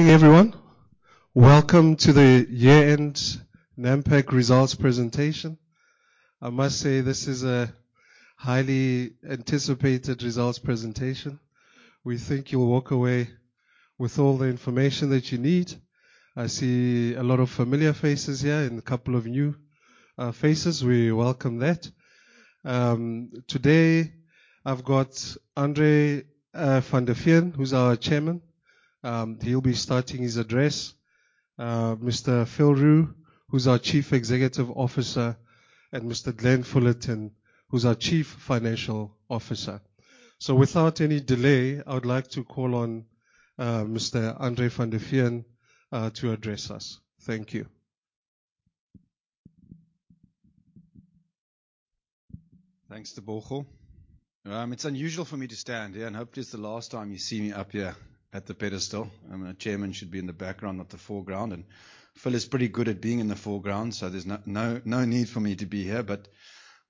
Good evening, everyone. Welcome to the year-end Nampak results presentation. I must say this is a highly anticipated results presentation. We think you'll walk away with all the information that you need. I see a lot of familiar faces here and a couple of new faces. We welcome that. Today I've got André van der Veen, who's our Chairman. He'll be starting his address. Mr. Phil Roux, who's our Chief Executive Officer, and Mr. Glenn Fullerton, who's our Chief Financial Officer. Without any delay, I would like to call on Mr. André van der Veen to address us. Thank you. Thanks, Teboho. It's unusual for me to stand here, and hopefully it's the last time you see me up here at the pedestal. A chairman should be in the background, not the foreground, and Phil is pretty good at being in the foreground, so there's no need for me to be here.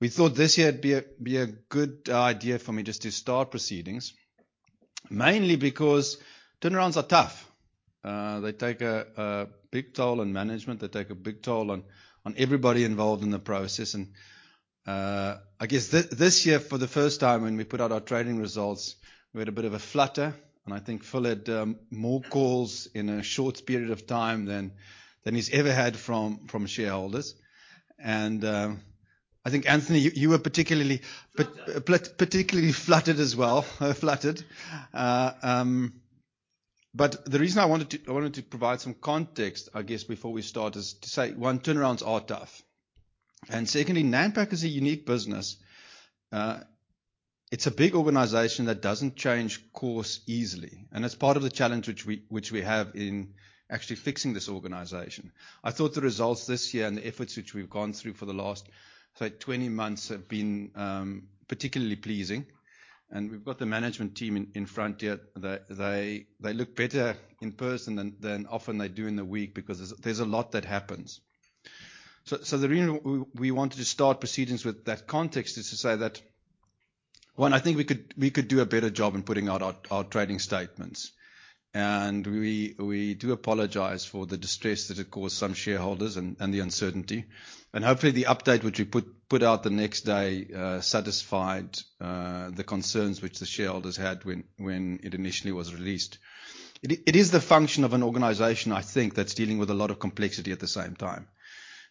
We thought this year it'd be a good idea for me just to start proceedings. Mainly because turnarounds are tough. They take a big toll on management. They take a big toll on everybody involved in the process. I guess this year, for the first time, when we put out our trading results, we had a bit of a flutter. I think Phil had more calls in a short period of time than he's ever had from shareholders. I think, Anthony, you were particularly fluttered as well, fluttered. The reason I wanted to provide some context, I guess, before we start is to say, one, turnarounds are tough. Secondly, Nampak is a unique business. It's a big organization that doesn't change course easily, and that's part of the challenge which we have in actually fixing this organization. I thought the results this year and the efforts which we've gone through for the last, say, 20 months have been particularly pleasing. We've got the management team in front here. They look better in person than often they do in the week because there's a lot that happens. The reason we wanted to start proceedings with that context is to say that, one, I think we could do a better job in putting out our trading statements. We do apologize for the distress that it caused some shareholders and the uncertainty. Hopefully the update which we put out the next day satisfied the concerns which the shareholders had when it initially was released. It is the function of an organization, I think, that's dealing with a lot of complexity at the same time.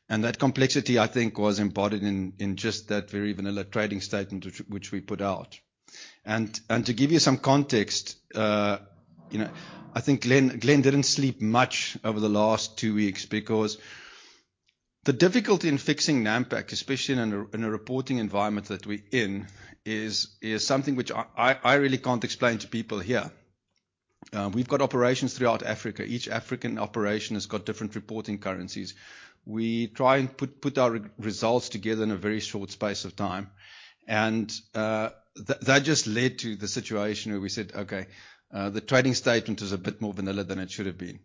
That complexity, I think, was embodied in just that very vanilla trading statement which we put out. To give you some context, you know, I think Glenn didn't sleep much over the last two weeks because the difficulty in fixing Nampak, especially in a reporting environment that we're in, is something which I really can't explain to people here. We've got operations throughout Africa. Each African operation has got different reporting currencies. We try and put our results together in a very short space of time. That just led to the situation where we said, "Okay, the trading statement is a bit more vanilla than it should have been."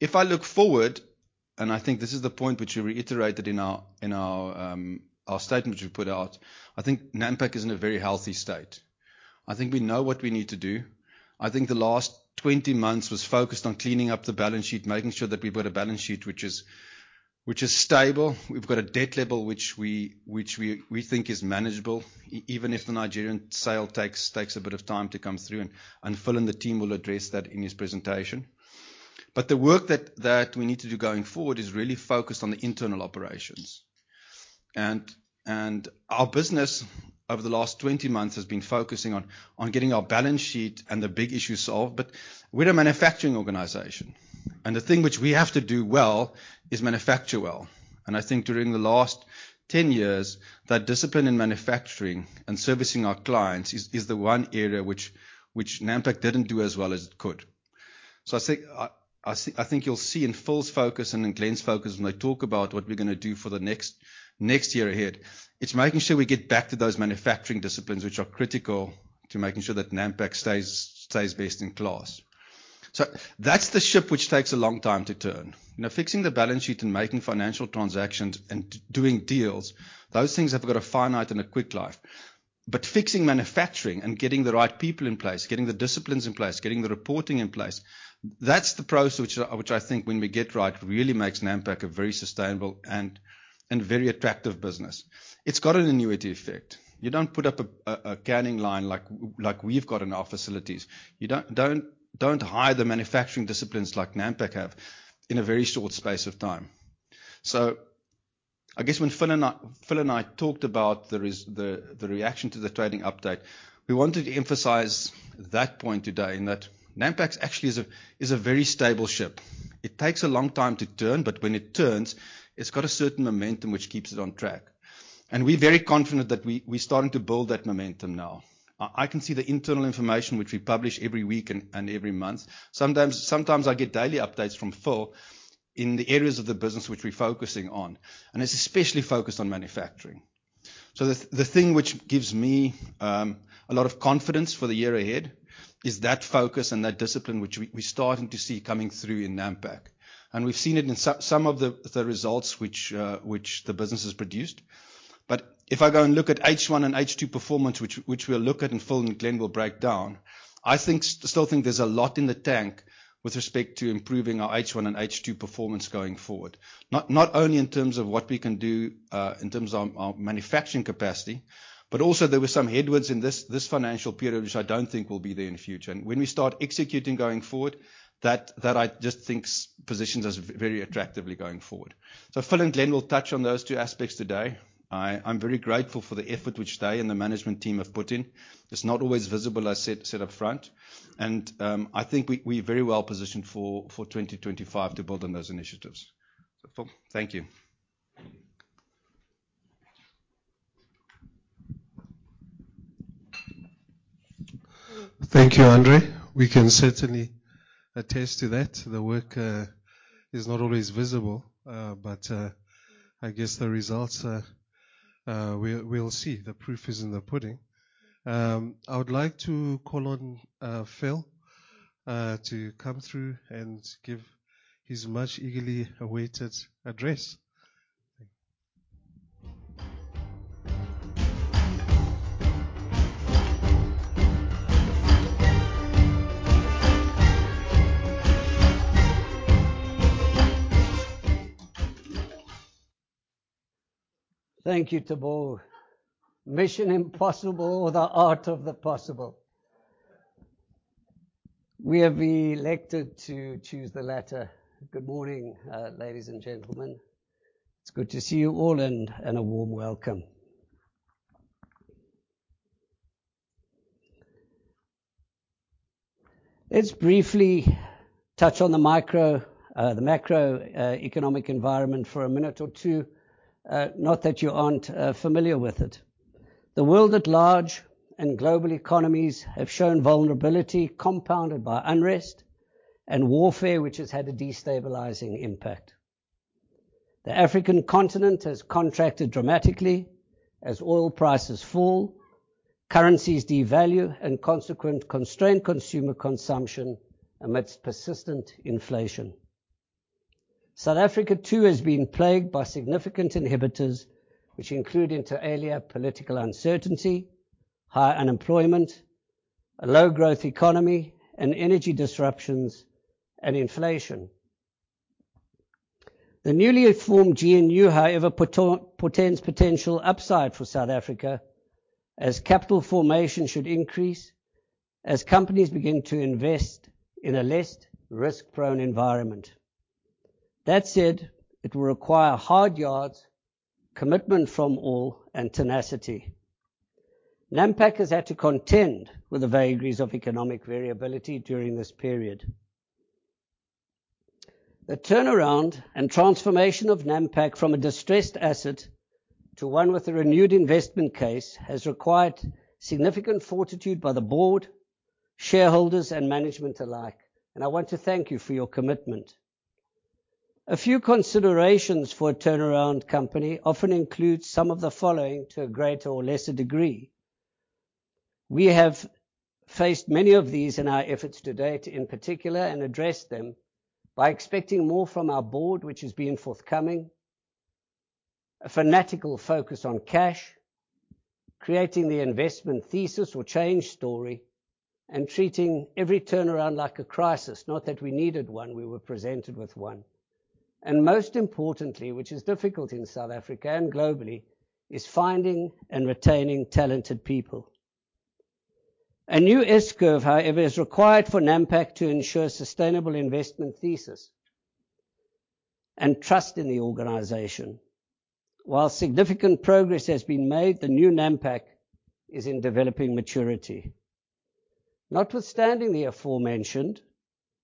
If I look forward, and I think this is the point which we reiterated in our statement which we put out, I think Nampak is in a very healthy state. I think we know what we need to do. I think the last 20 months was focused on cleaning up the balance sheet, making sure that we've got a balance sheet which is stable. We've got a debt level which we think is manageable, even if the Nigerian sale takes a bit of time to come through. Phil and the team will address that in his presentation. The work that we need to do going forward is really focused on the internal operations. Our business over the last 20 months has been focusing on getting our balance sheet and the big issue solved. We're a manufacturing organization, and the thing which we have to do well is manufacture well. I think during the last 10 years, that discipline in manufacturing and servicing our clients is the one area which Nampak didn't do as well as it could. I think you'll see in Phil's focus and in Glenn's focus when they talk about what we're gonna do for the next year ahead, it's making sure we get back to those manufacturing disciplines which are critical to making sure that Nampak stays best in class. That's the ship which takes a long time to turn. Now, fixing the balance sheet and making financial transactions and doing deals, those things have got a finite and a quick life. Fixing manufacturing and getting the right people in place, getting the disciplines in place, getting the reporting in place, that's the process which I think when we get right, really makes Nampak a very sustainable and very attractive business. It's got an annuity effect. You don't put up a canning line like we've got in our facilities. You don't hire the manufacturing disciplines like Nampak have in a very short space of time. I guess when Phil and I talked about the reaction to the trading update, we wanted to emphasize that point today, in that Nampak's actually is a very stable ship. It takes a long time to turn, but when it turns, it's got a certain momentum which keeps it on track. We're very confident that we're starting to build that momentum now. I can see the internal information which we publish every week and every month. Sometimes I get daily updates from Phil in the areas of the business which we're focusing on, and it's especially focused on manufacturing. The thing which gives me a lot of confidence for the year ahead is that focus and that discipline which we're starting to see coming through in Nampak. We've seen it in some of the results which the business has produced. If I go and look at H1 and H2 performance which we'll look at and Phil and Glenn will break down, I still think there's a lot in the tank with respect to improving our H1 and H2 performance going forward, not only in terms of what we can do in terms of our manufacturing capacity, but also there were some headwinds in this financial period which I don't think will be there in future. When we start executing going forward, that I just think positions us very attractively going forward. Phil and Glenn will touch on those two aspects today. I'm very grateful for the effort which they and the management team have put in. It's not always visible, I said up front and I think we very well positioned for 2025 to build on those initiatives. Phil, thank you. Thank you, André. We can certainly attest to that. The work is not always visible, but I guess the results we'll see. The proof is in the pudding. I would like to call on Phil to come through and give his much eagerly awaited address. Thank you. Thank you, Teboho. Mission impossible or the art of the possible. We have elected to choose the latter. Good morning, ladies and gentlemen. It's good to see you all, and a warm welcome. Let's briefly touch on the macroeconomic environment for a minute or two, not that you aren't familiar with it. The world at large and global economies have shown vulnerability compounded by unrest and warfare, which has had a destabilizing impact. The African continent has contracted dramatically as oil prices fall, currencies devalue, and consequent constrained consumer consumption amidst persistent inflation. South Africa too has been plagued by significant inhibitors, which include, inter alia, political uncertainty, high unemployment, a low growth economy, and energy disruptions and inflation. The newly formed GNU, however, portends potential upside for South Africa as capital formation should increase as companies begin to invest in a less risk-prone environment. That said, it will require hard yards, commitment from all, and tenacity. Nampak has had to contend with the vagaries of economic variability during this period. The turnaround and transformation of Nampak from a distressed asset to one with a renewed investment case has required significant fortitude by the board, shareholders, and management alike, and I want to thank you for your commitment. A few considerations for a turnaround company often includes some of the following to a greater or lesser degree. We have faced many of these in our efforts to date, in particular, and addressed them by expecting more from our board, which has been forthcoming. A fanatical focus on cash. Creating the investment thesis or change story, and treating every turnaround like a crisis. Not that we needed one, we were presented with one. Most importantly, which is difficult in South Africa and globally, is finding and retaining talented people. A new S-curve, however, is required for Nampak to ensure sustainable investment thesis and trust in the organization. While significant progress has been made, the new Nampak is in developing maturity. Notwithstanding the aforementioned,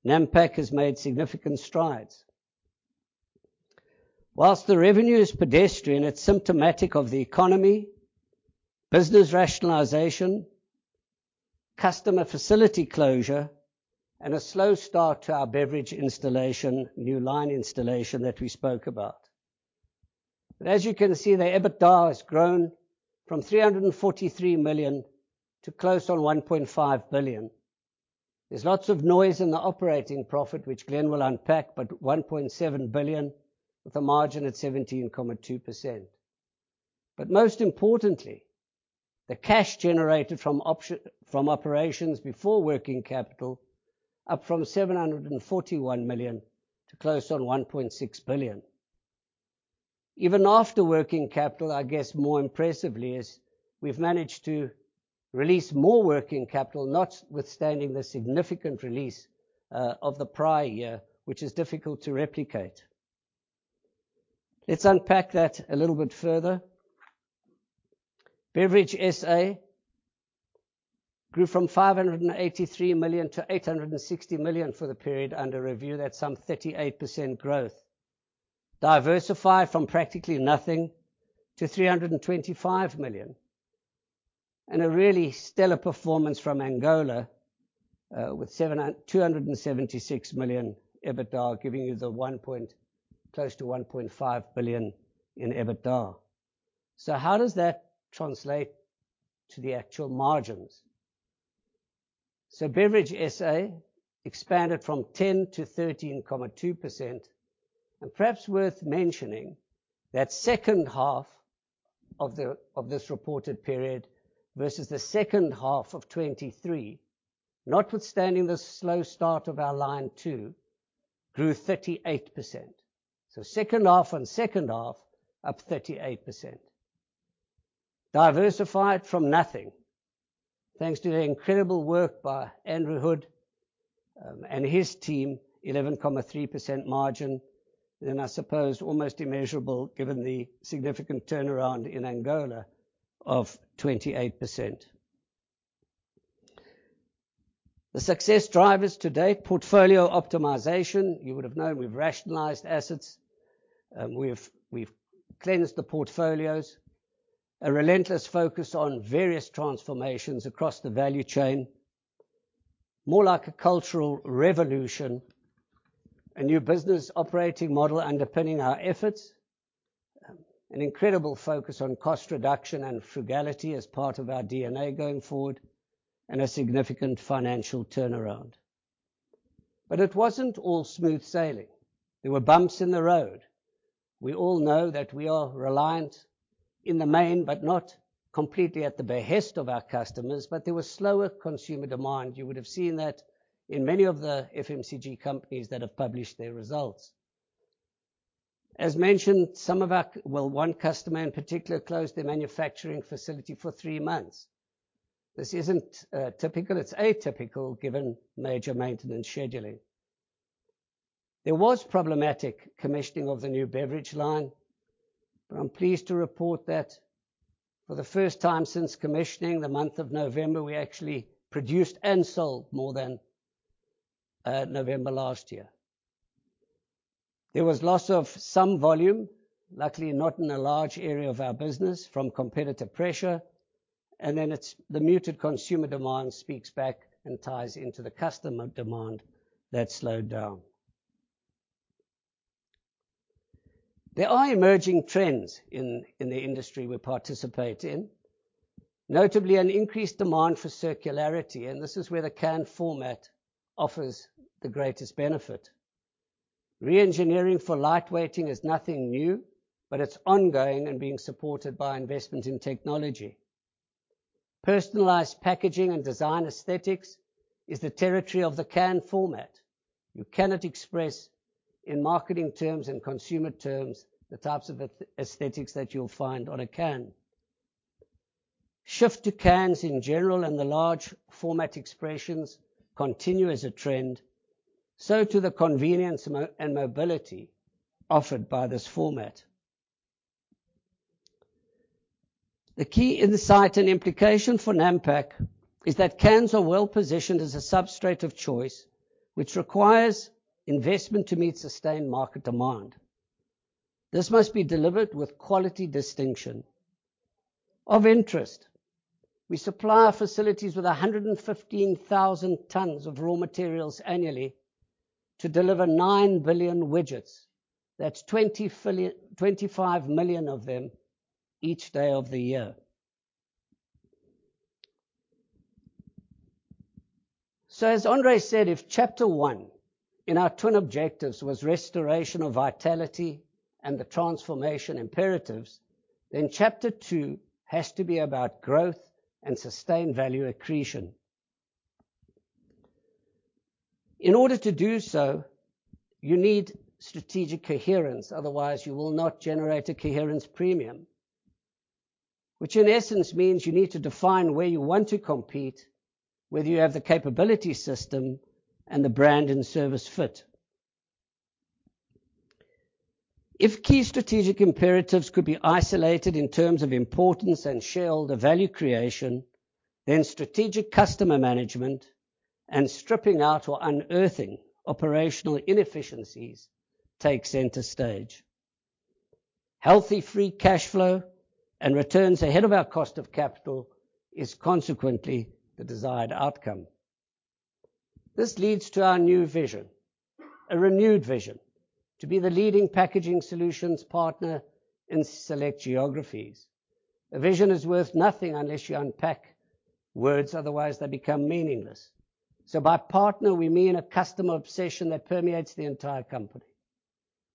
Nampak has made significant strides. While the revenue is pedestrian, it's symptomatic of the economy, business rationalization, customer facility closure, and a slow start to our beverage installation, new line installation that we spoke about. As you can see, the EBITDA has grown from 343 million to close on 1.5 billion. There's lots of noise in the operating profit, which Glenn will unpack, but 1.7 billion with a margin at 17.2%. Most importantly, the cash generated from operations before working capital up from 741 million to close on 1.6 billion. Even after working capital, I guess more impressively is we've managed to release more working capital, notwithstanding the significant release of the prior year, which is difficult to replicate. Let's unpack that a little bit further. Beverage SA grew from 583 million to 860 million for the period under review. That's some 38% growth. Diversified from practically nothing to 325 million. A really stellar performance from Angola with 276 million EBITDA giving you the close to 1.5 billion in EBITDA. How does that translate to the actual margins? Beverage SA expanded from 10% to 13.2%. Perhaps worth mentioning, that second half of this reported period versus the second half of 2023, notwithstanding the slow start of our Line 2, grew 38%. Second half on second half, up 38%. Diversified from nothing. Thanks to the incredible work by Andrew Hood and his team, 11.3% margin. I suppose almost immeasurable given the significant turnaround in Angola of 28%. The success drivers to date, portfolio optimization. You would have known we've rationalized assets. We've cleansed the portfolios. A relentless focus on various transformations across the value chain. More like a cultural revolution. A new business operating model underpinning our efforts. An incredible focus on cost reduction and frugality as part of our DNA going forward, and a significant financial turnaround. It wasn't all smooth sailing. There were bumps in the road. We all know that we are reliant in the main, but not completely at the behest of our customers, but there was slower consumer demand. You would have seen that in many of the FMCG companies that have published their results. As mentioned, some of our well, one customer in particular closed their manufacturing facility for three months. This isn't typical. It's atypical given major maintenance scheduling. There was problematic commissioning of the new beverage line, but I'm pleased to report that for the first time since commissioning, the month of November, we actually produced and sold more than November last year. There was loss of some volume, luckily not in a large area of our business, from competitive pressure, and then it's the muted consumer demand speaks back and ties into the customer demand that slowed down. There are emerging trends in the industry we participate in. Notably, an increased demand for circularity, and this is where the can format offers the greatest benefit. Re-engineering for lightweighting is nothing new, but it's ongoing and being supported by investment in technology. Personalized packaging and design aesthetics is the territory of the can format. You cannot express in marketing terms and consumer terms the types of aesthetics that you'll find on a can. Shift to cans in general and the large format expressions continue as a trend, so to the convenience and mobility offered by this format. The key insight and implication for Nampak is that cans are well-positioned as a substrate of choice, which requires investment to meet sustained market demand. This must be delivered with quality distinction. Of interest, we supply our facilities with 115,000 tons of raw materials annually to deliver 9 billion widgets. That's 25 million of them each day of the year. As André said, if chapter one in our twin objectives was restoration of vitality and the transformation imperatives, then chapter two has to be about growth and sustained value accretion. In order to do so, you need strategic coherence, otherwise you will not generate a coherence premium. Which in essence means you need to define where you want to compete, whether you have the capability system and the brand and service fit. If key strategic imperatives could be isolated in terms of importance and shareholder value creation, then strategic customer management and stripping out or unearthing operational inefficiencies take center stage. Healthy free cash flow and returns ahead of our cost of capital is consequently the desired outcome. This leads to our new vision, a renewed vision to be the leading packaging solutions partner in select geographies. A vision is worth nothing unless you unpack words, otherwise they become meaningless. By partner, we mean a customer obsession that permeates the entire company.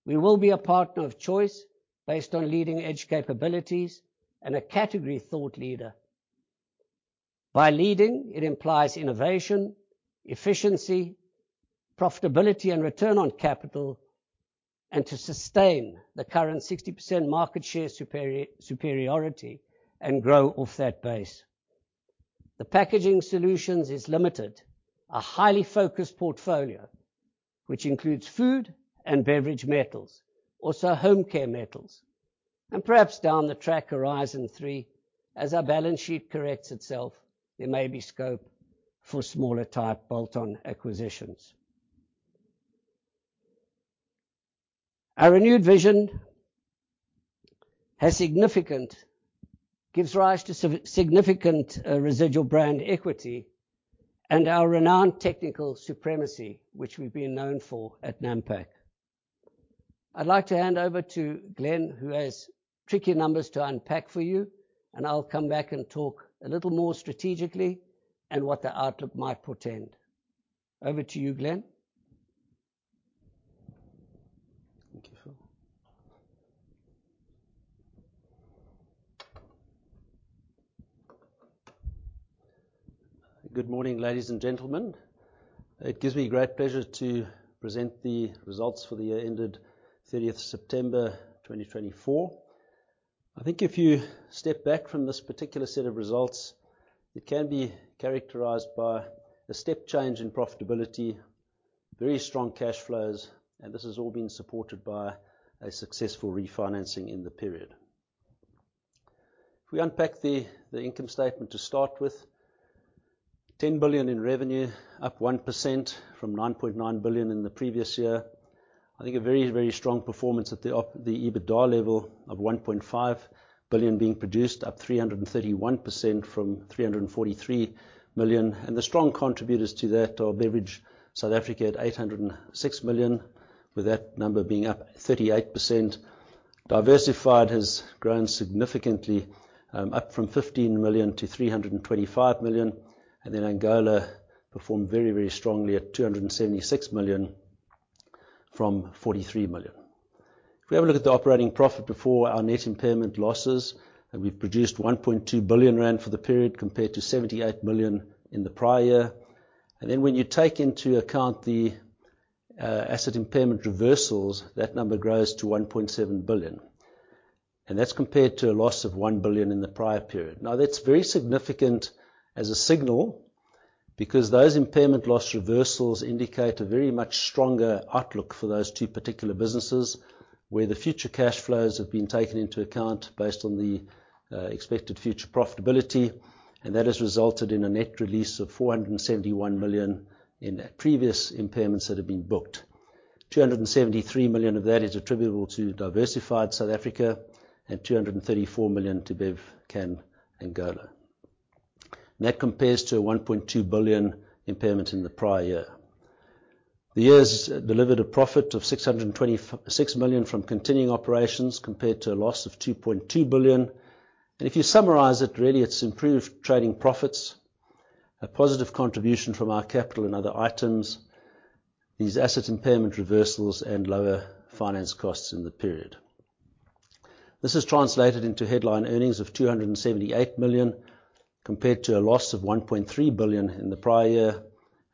We will be a partner of choice based on leading-edge capabilities and a category thought leader. By leading, it implies innovation, efficiency, profitability, and return on capital, and to sustain the current 60% market share superiority and grow off that base. The packaging solutions is limited, a highly focused portfolio, which includes food and beverage metals, also home care metals. Perhaps down the track, horizon three, as our balance sheet corrects itself, there may be scope for smaller type bolt-on acquisitions. Our renewed vision gives rise to significant residual brand equity and our renowned technical supremacy, which we've been known for at Nampak. I'd like to hand over to Glenn, who has tricky numbers to unpack for you, and I'll come back and talk a little more strategically and what the outlook might portend. Over to you, Glenn. Thank you, Phil. Good morning, ladies and gentlemen. It gives me great pleasure to present the results for the year ended 30th September 2024. I think if you step back from this particular set of results, it can be characterized by a step change in profitability, very strong cash flows, and this has all been supported by a successful refinancing in the period. If we unpack the income statement to start with, 10 billion in revenue, up 1% from 9.9 billion in the previous year. I think a very, very strong performance at the EBITDA level of 1.5 billion being produced, up 331% from 343 million. The strong contributors to that are Beverage South Africa at 806 million, with that number being up 38%. Diversified has grown significantly, up from 15 million to 325 million. Then Angola performed very, very strongly at 276 million from 43 million. If we have a look at the operating profit before our net impairment losses, we've produced 1.2 billion rand for the period, compared to 78 million in the prior year. Then when you take into account the asset impairment reversals, that number grows to 1.7 billion, and that's compared to a loss of 1 billion in the prior period. Now, that's very significant as a signal because those impairment loss reversals indicate a very much stronger outlook for those two particular businesses, where the future cash flows have been taken into account based on the expected future profitability, and that has resulted in a net release of 471 million in previous impairments that have been booked. 273 million of that is attributable to Diversified South Africa and 234 million to Bevcan Angola. That compares to a 1.2 billion impairment in the prior year. The years delivered a profit of 626 million from continuing operations, compared to a loss of 2.2 billion. If you summarize it, really it's improved trading profits, a positive contribution from our capital and other items, these asset impairment reversals, and lower finance costs in the period. This has translated into headline earnings of 278 million, compared to a loss of 1.3 billion in the prior year.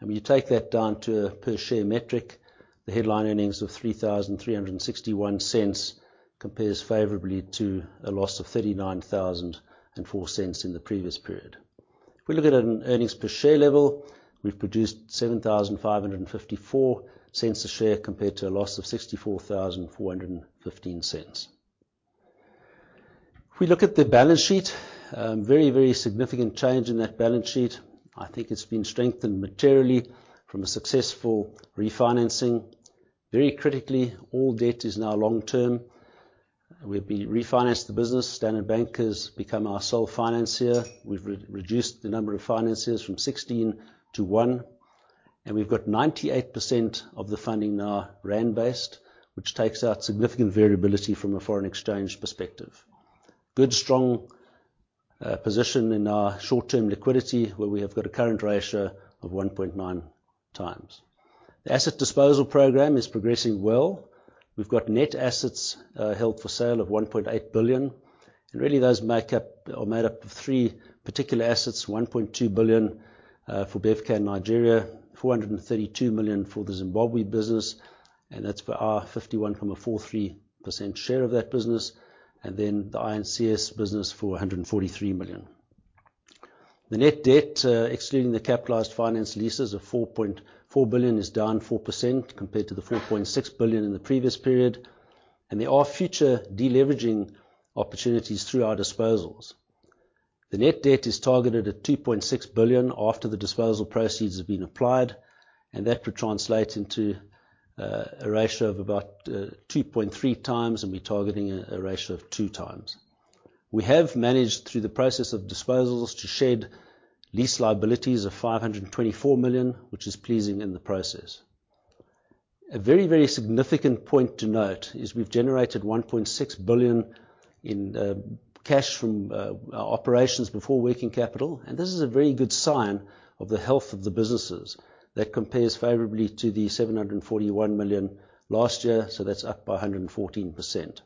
When you take that down to a per share metric, the headline earnings of 3,361 cents compares favorably to a loss of 39,004 cents in the previous period. If we look at an earnings per share level, we've produced 7,554 cents a share compared to a loss of 64,415 cents. If we look at the balance sheet, very significant change in that balance sheet. I think it's been strengthened materially from a successful refinancing. Very critically, all debt is now long term. We've re-refinanced the business. Standard Bank has become our sole financier. We've re-reduced the number of financiers from 16 to one, and we've got 98% of the funding now rand-based, which takes out significant variability from a foreign exchange perspective. Good, strong position in our short-term liquidity, where we have got a current ratio of 1.9x. The asset disposal program is progressing well. We've got net assets held for sale of 1.8 billion, and those are made up of three particular assets: 1.2 billion for Bevcan Nigeria, 432 million for the Zimbabwe business, and that's for our 51.43% share of that business, and then the I&CS business for 143 million. The net debt, excluding the capitalized finance leases of 4.4 billion, is down 4% compared to the 4.6 billion in the previous period, and there are future deleveraging opportunities through our disposals. The net debt is targeted at 2.6 billion after the disposal proceeds have been applied, and that would translate into a ratio of about 2.3x, and we're targeting a ratio of 2x. We have managed, through the process of disposals, to shed lease liabilities of 524 million, which is pleasing in the process. A very significant point to note is we've generated 1.6 billion in cash from our operations before working capital, and this is a very good sign of the health of the businesses. That compares favorably to 741 million last year, so that's up by 114%.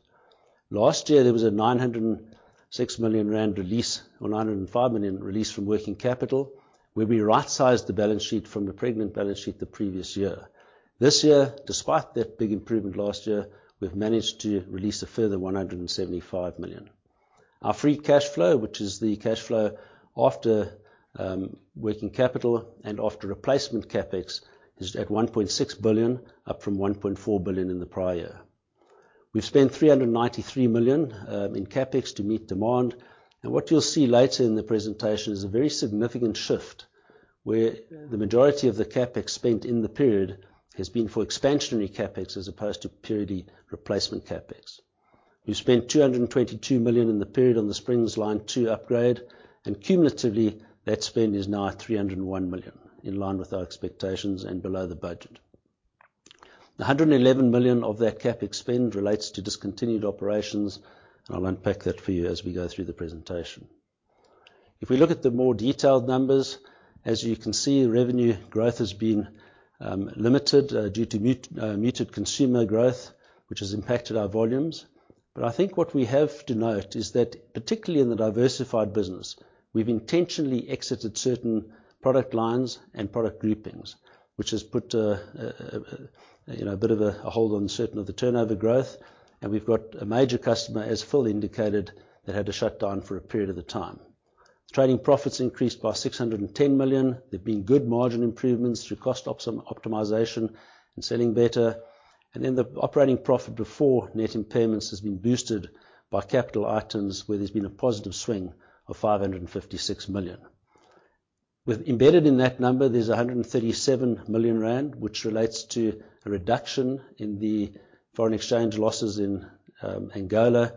Last year, there was a 906 million rand release or 905 million release from working capital, where we right-sized the balance sheet from the pregnant balance sheet the previous year. This year, despite that big improvement last year, we've managed to release a further 175 million. Our free cash flow, which is the cash flow after working capital and after replacement CapEx, is at 1.6 billion, up from 1.4 billion in the prior year. We've spent 393 million in CapEx to meet demand. What you'll see later in the presentation is a very significant shift, where the majority of the CapEx spent in the period has been for expansionary CapEx as opposed to purely replacement CapEx. We spent 222 million in the period on the Springs Line 2 upgrade, and cumulatively, that spend is now at 301 million, in line with our expectations and below the budget. The 111 million of that CapEx spend relates to discontinued operations, and I'll unpack that for you as we go through the presentation. If we look at the more detailed numbers, as you can see, revenue growth has been limited due to muted consumer growth, which has impacted our volumes. I think what we have to note is that particularly in the diversified business, we've intentionally exited certain product lines and product groupings, which has put you know a bit of a hold on certain of the turnover growth, and we've got a major customer, as Phil indicated, that had to shut down for a period of time. Trading profits increased by 610 million. There've been good margin improvements through cost optimization and selling better. The operating profit before net impairments has been boosted by capital items where there's been a positive swing of 556 million. With embedded in that number, there's 137 million rand, which relates to a reduction in the foreign exchange losses in Angola.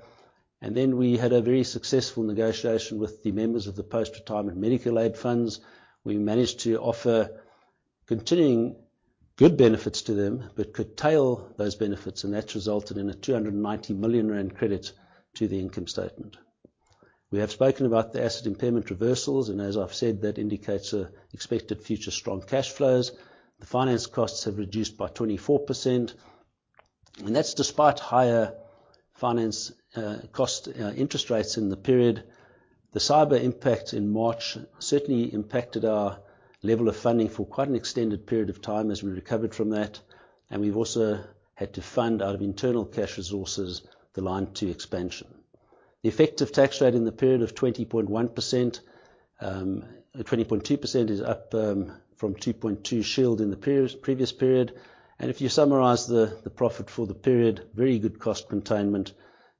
We had a very successful negotiation with the members of the post-retirement medical aid funds. We managed to offer continuing good benefits to them but curtail those benefits, and that's resulted in a 290 million rand credit to the income statement. We have spoken about the asset impairment reversals, and as I've said, that indicates expected future strong cash flows. The finance costs have reduced by 24%, and that's despite higher finance cost interest rates in the period. The cyber impact in March certainly impacted our level of funding for quite an extended period of time as we recovered from that, and we've also had to fund out of internal cash resources the Line 2 expansion. The effective tax rate in the period of 20.1%, or 20.2% is up from 2.2% in the previous period. If you summarize the profit for the period, very good cost containment,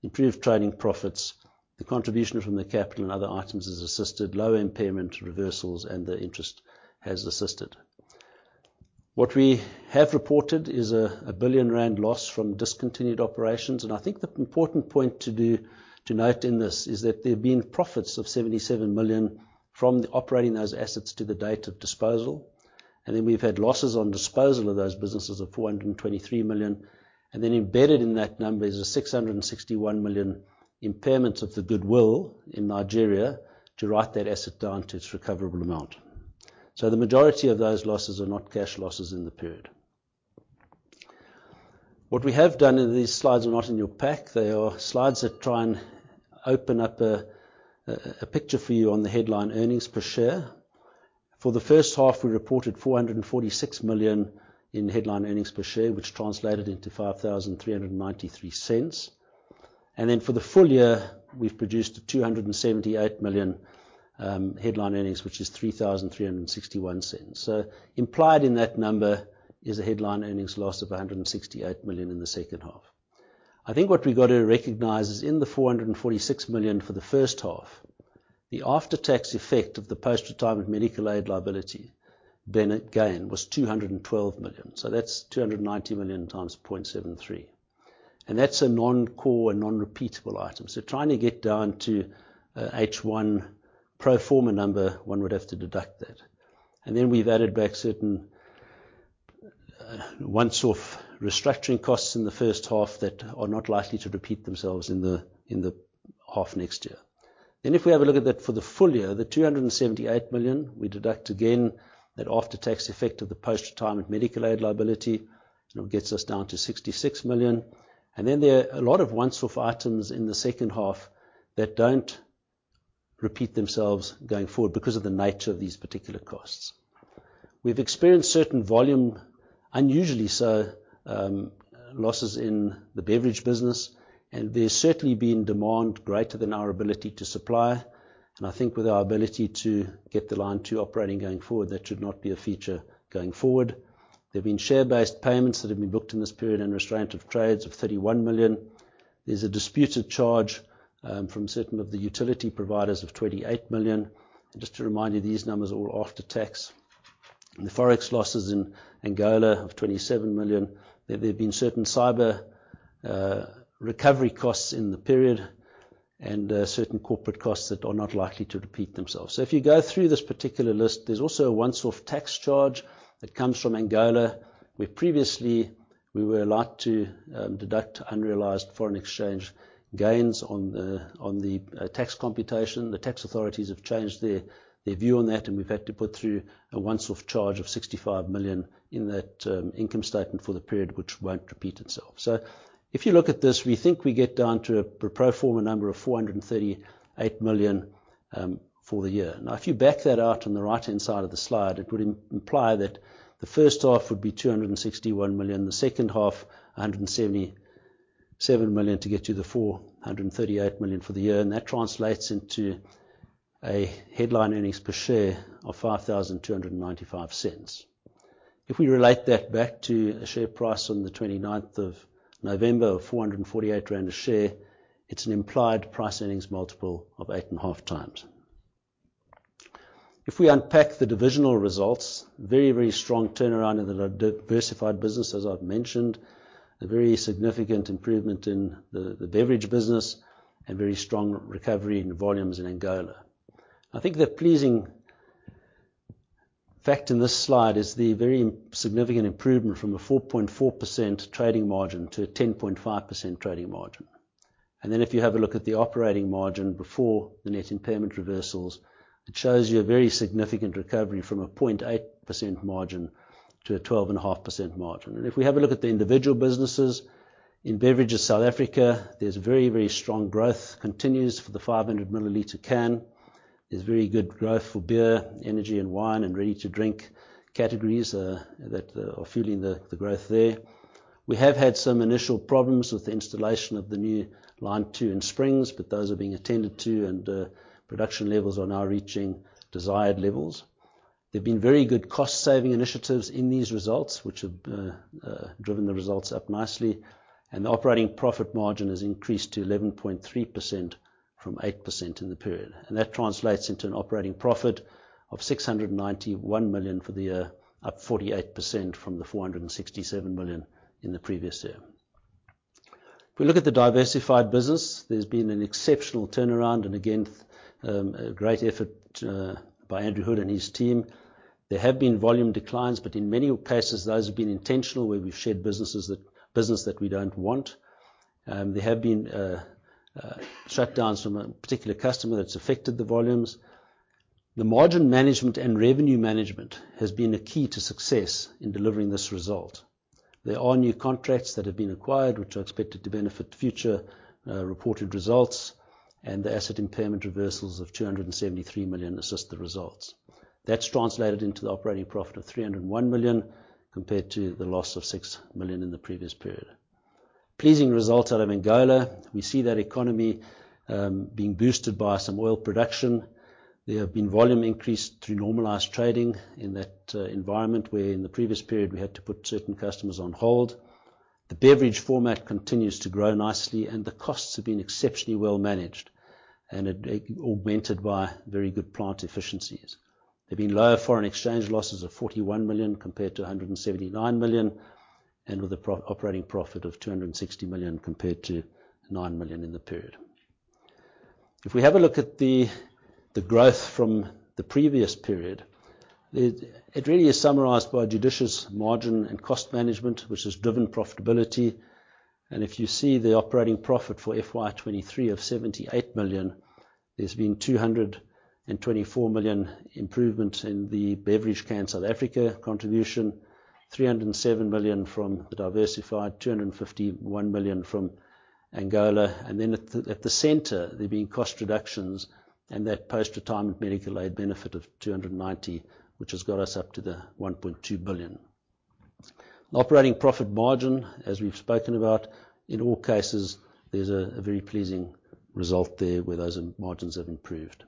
improved trading profits. The contribution from the capital and other items has assisted. Lower impairment reversals and the interest has assisted. What we have reported is a 1 billion rand loss from discontinued operations, and I think the important point to note in this is that there have been profits of 77 million from operating those assets to the date of disposal. Then we've had losses on disposal of those businesses of 423 million. Embedded in that number is a 661 million impairment of the goodwill in Nigeria to write that asset down to its recoverable amount. The majority of those losses are not cash losses in the period. What we have done, these slides are not in your pack. They are slides that try and open up a picture for you on the headline earnings per share. For the first half, we reported 446 million in headline earnings per share, which translated into 5,393 cents. For the full year, we have produced 278 million headline earnings, which is 3,361 cents. Implied in that number is a headline earnings loss of 168 million in the second half. I think what we've got to recognize is in the 446 million for the first half, the after-tax effect of the post-retirement medical aid liability benefit gain was 212 million. That's 290 million times 0.73. That's a non-core and non-repeatable item. Trying to get down to a H1 pro forma number, one would have to deduct that. We've added back certain once-off restructuring costs in the first half that are not likely to repeat themselves in the half next year. If we have a look at that for the full year, the 278 million, we deduct again that after-tax effect of the post-retirement medical aid liability. You know, it gets us down to 66 million. There are a lot of once-off items in the second half that don't repeat themselves going forward because of the nature of these particular costs. We've experienced certain volume, unusually so, losses in the beverage business, and there's certainly been demand greater than our ability to supply. I think with our ability to get the Line 2 operating going forward, that should not be a feature going forward. There've been share-based payments that have been booked in this period and restraint of trades of 31 million. There's a disputed charge from certain of the utility providers of 28 million. Just to remind you, these numbers are all after tax. The Forex losses in Angola of 27 million. There've been certain cyber recovery costs in the period and certain corporate costs that are not likely to repeat themselves. If you go through this particular list, there's also a once-off tax charge that comes from Angola, where previously we were allowed to deduct unrealized foreign exchange gains on the tax computation. The tax authorities have changed their view on that, and we've had to put through a once-off charge of 65 million in that income statement for the period, which won't repeat itself. If you look at this, we think we get down to a pro forma number of 438 million for the year. Now, if you back that out on the right-hand side of the slide, it would imply that the first half would be 261 million, the second half, 177 million to get to the 438 million for the year. That translates into a headline earnings per share of 5,295 cents. If we relate that back to a share price on the 29th of November of 448 rand a share, it's an implied price earnings multiple of 8.5x. If we unpack the divisional results, very, very strong turnaround in the Diversified business as I've mentioned, a very significant improvement in the Beverage business and very strong recovery in volumes in Angola. I think the pleasing fact in this slide is the very significant improvement from a 4.4% trading margin to a 10.5% trading margin. Then if you have a look at the operating margin before the net impairment reversals, it shows you a very significant recovery from a 0.8% margin to a 12.5% margin. If we have a look at the individual businesses, in Beverage South Africa, there's very, very strong growth continues for the 500 milliliter can. There's very good growth for beer, energy and wine and ready-to-drink categories that are fuelling the growth there. We have had some initial problems with the installation of the new Line 2 in Springs, but those are being attended to and production levels are now reaching desired levels. There have been very good cost-saving initiatives in these results, which have driven the results up nicely, and the operating profit margin has increased to 11.3% from 8% in the period. That translates into an operating profit of 691 million for the year, up 48% from the 467 million in the previous year. If we look at the diversified business, there's been an exceptional turnaround and again, a great effort by Andrew Hood and his team. There have been volume declines, but in many cases those have been intentional where we've shed businesses that we don't want. There have been shutdowns from a particular customer that's affected the volumes. The margin management and revenue management has been a key to success in delivering this result. There are new contracts that have been acquired which are expected to benefit future reported results and the asset impairment reversals of 273 million assist the results. That's translated into the operating profit of 301 million compared to the loss of 6 million in the previous period. Pleasing result out of Angola. We see that economy being boosted by some oil production. There have been volume increases through normalized trading in that environment where in the previous period we had to put certain customers on hold. The beverage format continues to grow nicely and the costs have been exceptionally well managed and augmented by very good plant efficiencies. There've been lower foreign exchange losses of 41 million compared to 179 million and with an operating profit of 260 million compared to 9 million in the period. If we have a look at the growth from the previous period, it really is summarized by judicious margin and cost management, which has driven profitability. If you see the operating profit for FY 2023 of 78 million, there's been 224 million improvement in the Beverage Can South Africa contribution, 307 million from the Diversified, 251 million from Angola. Then at the center, there've been cost reductions and that post-retirement medical aid benefit of 290 million, which has got us up to the 1.2 billion. Operating profit margin, as we've spoken about, in all cases, there's a very pleasing result there where those margins have improved.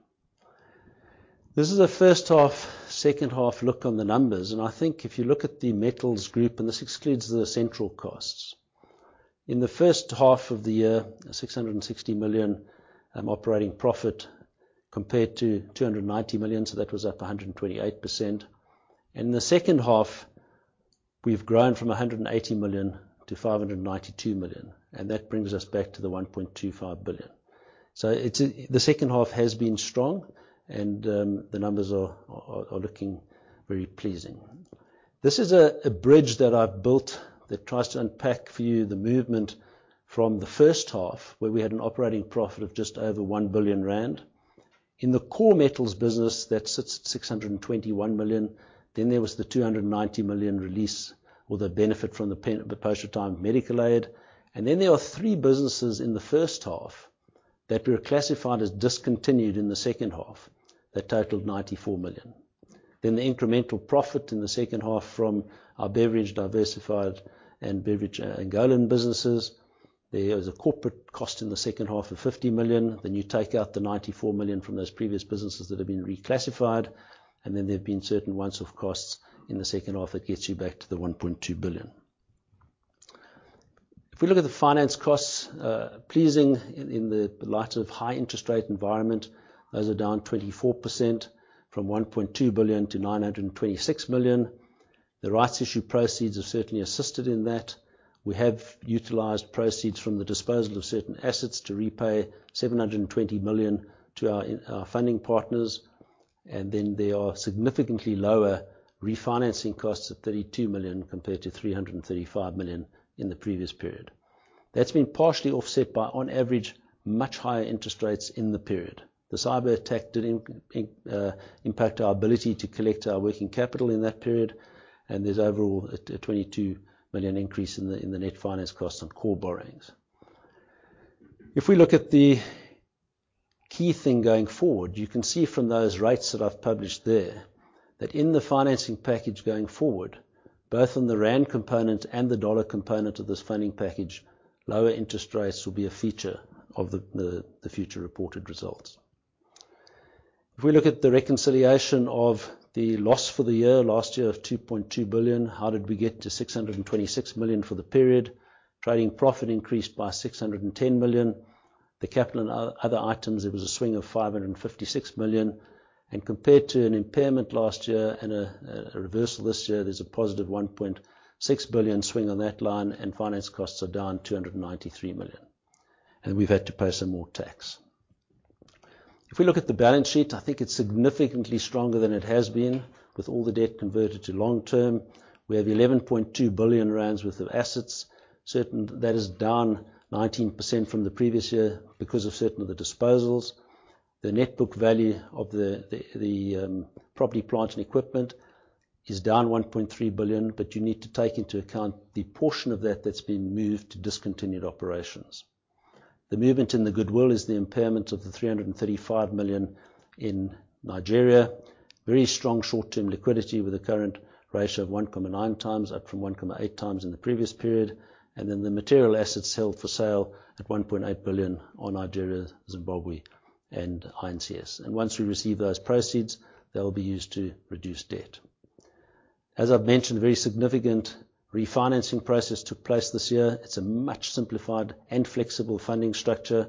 This is a first half, second half look on the numbers, and I think if you look at the Metals group, and this excludes the central costs. In the first half of the year, 660 million operating profit compared to 290 million, that was up 128%. In the second half, we've grown from 180 million to 592 million, and that brings us back to 1.25 billion. It's the second half has been strong and the numbers are looking very pleasing. This is a bridge that I've built that tries to unpack for you the movement from the first half where we had an operating profit of just over 1 billion rand. In the core Metals business, that sits at 621 million. Then there was the 290 million release or the benefit from the post-retirement medical aid. There are three businesses in the first half that were classified as discontinued in the second half that totaled 94 million. The incremental profit in the second half from our Beverage Diversified and Beverage Angolan businesses. There was a corporate cost in the second half of 50 million. You take out the 94 million from those previous businesses that have been reclassified. There have been certain once-off costs in the second half that gets you back to the 1.2 billion. If we look at the finance costs, pleasing in the light of high interest rate environment, those are down 24% from 1.2 billion to 926 million. The rights issue proceeds have certainly assisted in that. We have utilized proceeds from the disposal of certain assets to repay 720 million to our funding partners. There are significantly lower refinancing costs of 32 million compared to 335 million in the previous period. That's been partially offset by, on average, much higher interest rates in the period. The cyber attack didn't impact our ability to collect our working capital in that period, and there's overall a 22 million increase in the net finance costs on core borrowings. If we look at the key thing going forward, you can see from those rates that I've published there that in the financing package going forward, both on the rand component and the dollar component of this funding package, lower interest rates will be a feature of the future reported results. If we look at the reconciliation of the loss for the year, last year of 2.2 billion, how did we get to 626 million for the period? Trading profit increased by 610 million. The capital and other items, there was a swing of 556 million. Compared to an impairment last year and a reversal this year, there's a positive 1.6 billion swing on that line, and finance costs are down 293 million. We've had to pay some more tax. If we look at the balance sheet, I think it's significantly stronger than it has been. With all the debt converted to long-term, we have 11.2 billion rand worth of assets. That is down 19% from the previous year because of certain of the disposals. The net book value of the property, plant and equipment is down 1.3 billion, but you need to take into account the portion of that that's been moved to discontinued operations. The movement in the goodwill is the impairment of 335 million in Nigeria. Very strong short-term liquidity with a current ratio of 1.9x, up from 1.8x in the previous period. Then the material assets held for sale at 1.8 billion in Nigeria, Zimbabwe, and I&CS. Once we receive those proceeds, they'll be used to reduce debt. As I've mentioned, very significant refinancing process took place this year. It's a much simplified and flexible funding structure.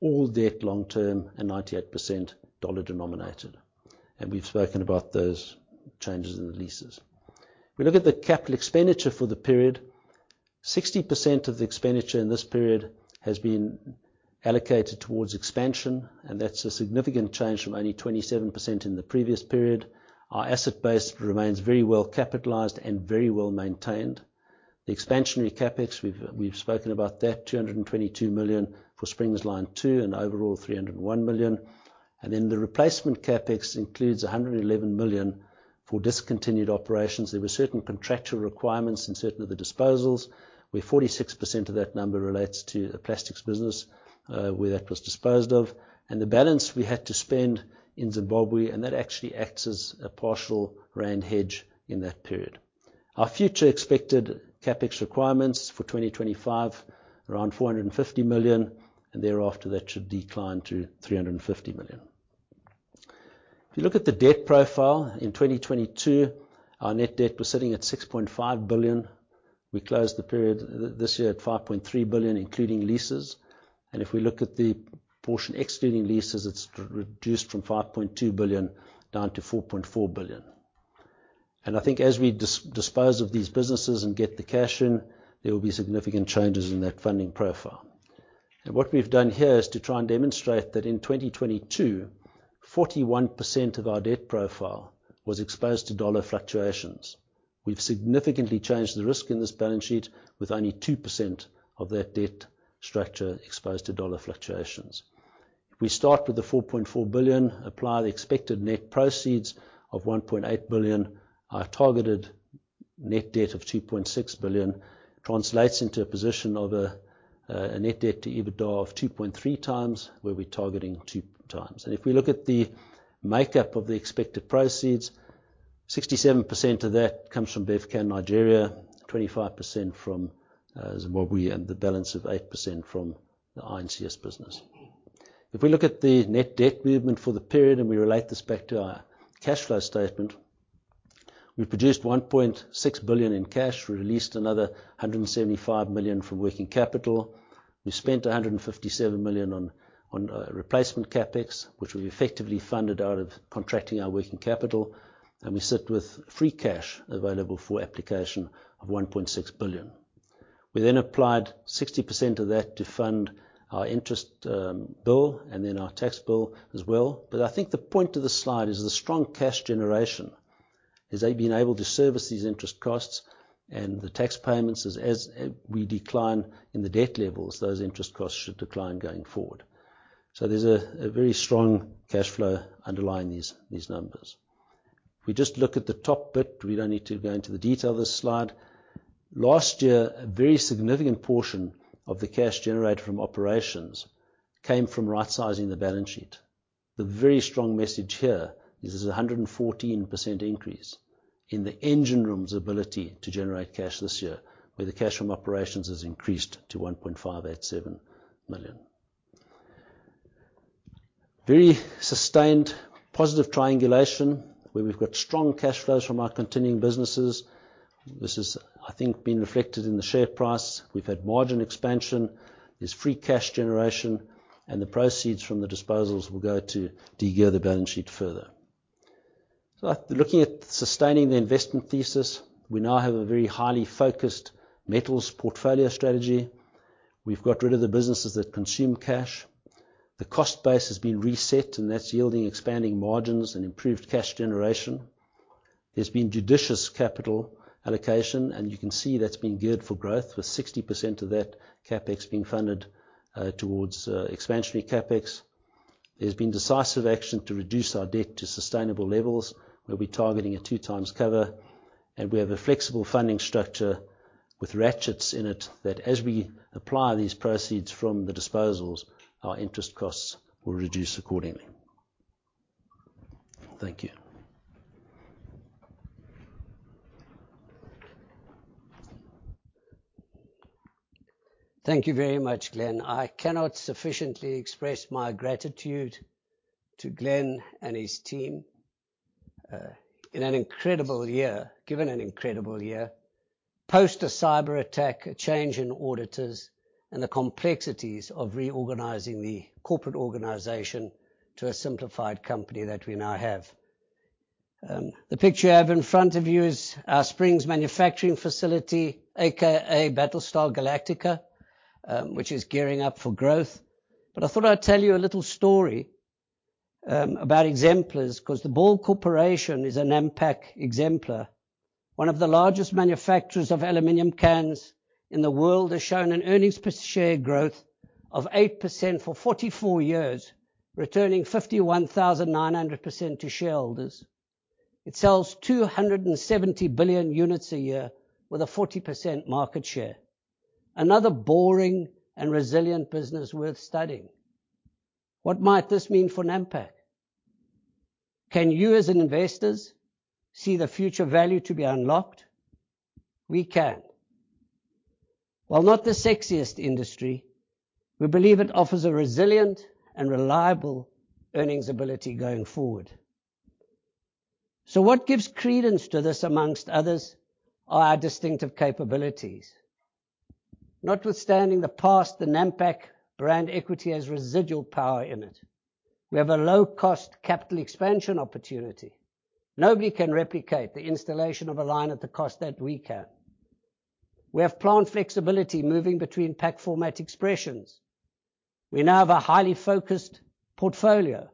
All debt long term and 98% dollar denominated. We've spoken about those changes in the leases. We look at the capital expenditure for the period. 60% of the expenditure in this period has been allocated towards expansion, and that's a significant change from only 27% in the previous period. Our asset base remains very well capitalized and very well maintained. The expansionary CapEx, we've spoken about that, 222 million for Springs Line 2 and overall 301 million. The replacement CapEx includes 111 million for discontinued operations. There were certain contractual requirements in certain of the disposals, where 46% of that number relates to the Plastics business, where that was disposed of. The balance we had to spend in Zimbabwe, and that actually acts as a partial rand hedge in that period. Our future expected CapEx requirements for 2025, around 450 million, and thereafter that should decline to 350 million. If you look at the debt profile, in 2022, our net debt was sitting at 6.5 billion. We closed the period this year at 5.3 billion, including leases. If we look at the portion excluding leases, it's reduced from 5.2 billion down to 4.4 billion. I think as we dispose of these businesses and get the cash in, there will be significant changes in that funding profile. What we've done here is to try and demonstrate that in 2022, 41% of our debt profile was exposed to dollar fluctuations. We've significantly changed the risk in this balance sheet with only 2% of that debt structure exposed to dollar fluctuations. We start with the 4.4 billion, apply the expected net proceeds of 1.8 billion. Our targeted net debt of 2.6 billion translates into a position of a net debt to EBITDA of 2.3x, where we're targeting 2x. If we look at the makeup of the expected proceeds, 67% of that comes from Bevcan Nigeria, 25% from Zimbabwe, and the balance of 8% from the I&CS business. If we look at the net debt movement for the period, and we relate this back to our cash flow statement, we produced 1.6 billion in cash. We released another 175 million from working capital. We spent 157 million on replacement CapEx, which we've effectively funded out of contracting our working capital. We sit with free cash available for application of 1.6 billion. We then applied 60% of that to fund our interest bill and then our tax bill as well. I think the point of this slide is the strong cash generation. They've been able to service these interest costs and the tax payments. As we decline in the debt levels, those interest costs should decline going forward. There's a very strong cash flow underlying these numbers. If we just look at the top bit, we don't need to go into the detail of this slide. Last year, a very significant portion of the cash generated from operations came from rightsizing the balance sheet. The very strong message here is there's a 114% increase in the engine room's ability to generate cash this year, where the cash from operations has increased to 1.587 million. Very sustained positive triangulation where we've got strong cash flows from our continuing businesses. This has, I think, been reflected in the share price. We've had margin expansion. There's free cash generation, and the proceeds from the disposals will go to de-gear the balance sheet further. Looking at sustaining the investment thesis, we now have a very highly focused Metals portfolio strategy. We've got rid of the businesses that consume cash. The cost base has been reset, and that's yielding expanding margins and improved cash generation. There's been judicious capital allocation, and you can see that's been geared for growth with 60% of that CapEx being funded towards expansionary CapEx. There's been decisive action to reduce our debt to sustainable levels. We'll be targeting a 2x cover, and we have a flexible funding structure with ratchets in it that as we apply these proceeds from the disposals, our interest costs will reduce accordingly. Thank you. Thank you very much, Glenn. I cannot sufficiently express my gratitude to Glenn and his team, in an incredible year, post a cyberattack, a change in auditors and the complexities of reorganizing the corporate organization to a simplified company that we now have. The picture you have in front of you is our Springs manufacturing facility, AKA Battlestar Galactica, which is gearing up for growth. I thought I'd tell you a little story about exemplars, 'cause the Ball Corporation is a Nampak exemplar. One of the largest manufacturers of aluminum cans in the world has shown an earnings per share growth of 8% for 44 years, returning 51,900% to shareholders. It sells 270 billion units a year with a 40% market share. Another boring and resilient business worth studying. What might this mean for Nampak? Can you, as investors, see the future value to be unlocked? We can. While not the sexiest industry, we believe it offers a resilient and reliable earnings ability going forward. What gives credence to this, amongst others, are our distinctive capabilities. Notwithstanding the past, the Nampak brand equity has residual power in it. We have a low-cost capital expansion opportunity. Nobody can replicate the installation of a line at the cost that we can. We have plant flexibility moving between pack format expressions. We now have a highly focused portfolio,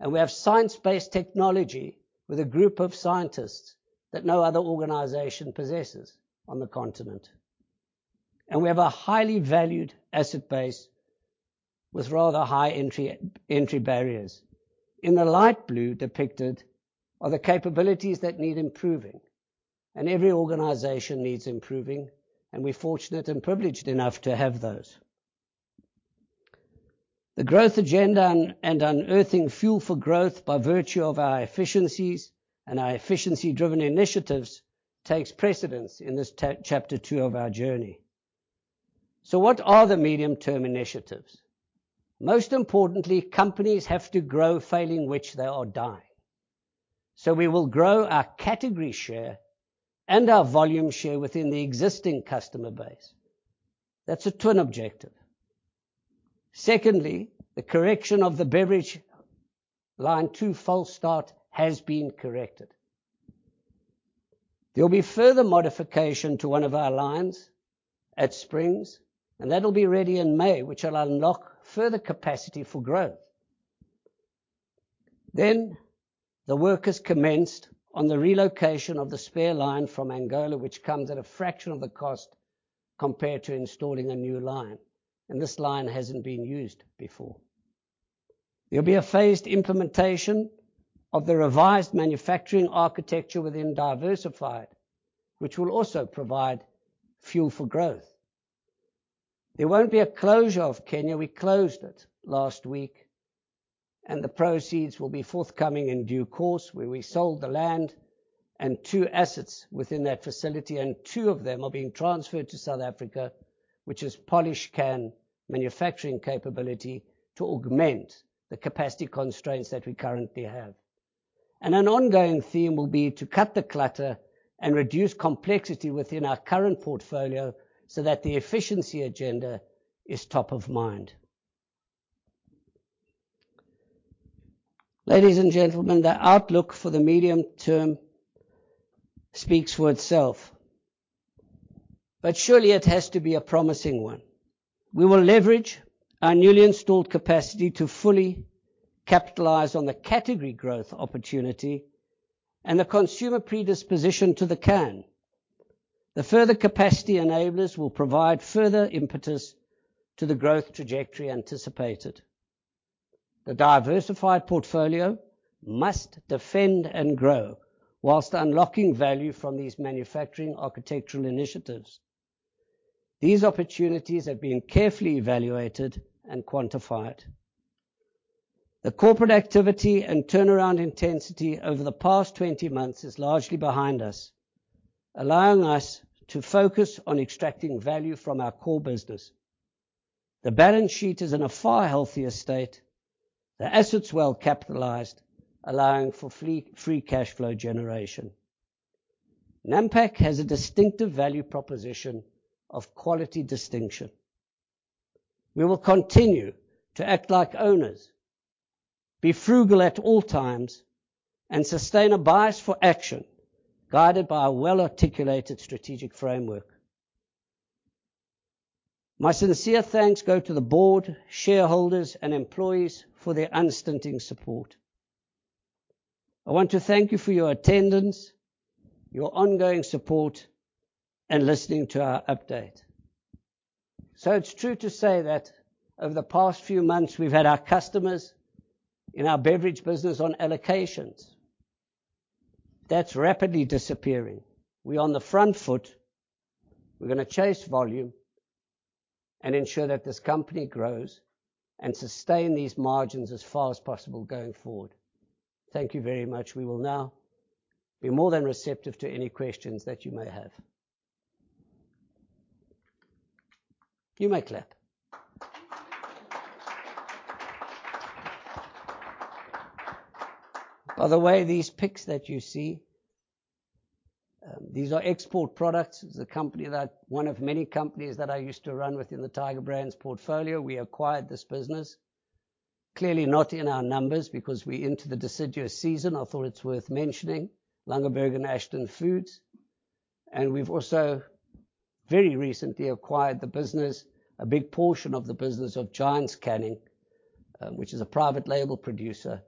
and we have science-based technology with a group of scientists that no other organization possesses on the continent. We have a highly valued asset base with rather high entry barriers. In the light blue depicted are the capabilities that need improving, and every organization needs improving, and we're fortunate and privileged enough to have those. The growth agenda and unearthing fuel for growth by virtue of our efficiencies and our efficiency-driven initiatives takes precedence in this chapter two of our journey. What are the medium-term initiatives? Most importantly, companies have to grow, failing which they are dying. We will grow our category share and our volume share within the existing customer base. That's a twin objective. Secondly, the correction of the beverage Line 2 false start has been corrected. There'll be further modification to one of our lines at Springs, and that'll be ready in May, which will unlock further capacity for growth. The work is commenced on the relocation of the spare line from Angola, which comes at a fraction of the cost compared to installing a new line, and this line hasn't been used before. There'll be a phased implementation of the revised manufacturing architecture within Diversified, which will also provide fuel for growth. There won't be a closure of Kenya. We closed it last week, and the proceeds will be forthcoming in due course, where we sold the land and two assets within that facility, and two of them are being transferred to South Africa, which is polished can manufacturing capability to augment the capacity constraints that we currently have. An ongoing theme will be to cut the clutter and reduce complexity within our current portfolio so that the efficiency agenda is top of mind. Ladies and gentlemen, the outlook for the medium term speaks for itself, but surely it has to be a promising one. We will leverage our newly installed capacity to fully capitalize on the category growth opportunity and the consumer predisposition to the can. The further capacity enablers will provide further impetus to the growth trajectory anticipated. The Diversified portfolio must defend and grow whilst unlocking value from these manufacturing architectural initiatives. These opportunities have been carefully evaluated and quantified. The corporate activity and turnaround intensity over the past 20 months is largely behind us, allowing us to focus on extracting value from our core business. The balance sheet is in a far healthier state. The assets are well capitalized, allowing for free cash flow generation. Nampak has a distinctive value proposition of quality distinction. We will continue to act like owners, be frugal at all times, and sustain a bias for action, guided by a well-articulated strategic framework. My sincere thanks go to the board, shareholders, and employees for their unstinting support. I want to thank you for your attendance, your ongoing support, and listening to our update. It's true to say that over the past few months, we've had our customers in our beverage business on allocations. That's rapidly disappearing. We're on the front foot. We're gonna chase volume and ensure that this company grows and sustain these margins as far as possible going forward. Thank you very much. We will now be more than receptive to any questions that you may have. You may clap. By the way, these pics that you see, these are export products. It's a company that, one of many companies that I used to run within the Tiger Brands portfolio. We acquired this business. Clearly not in our numbers because we're into the deciduous season. I thought it's worth mentioning, Langeberg and Ashton Foods. We've also very recently acquired the business, a big portion of the business of Giants Canning, which is a private label producer,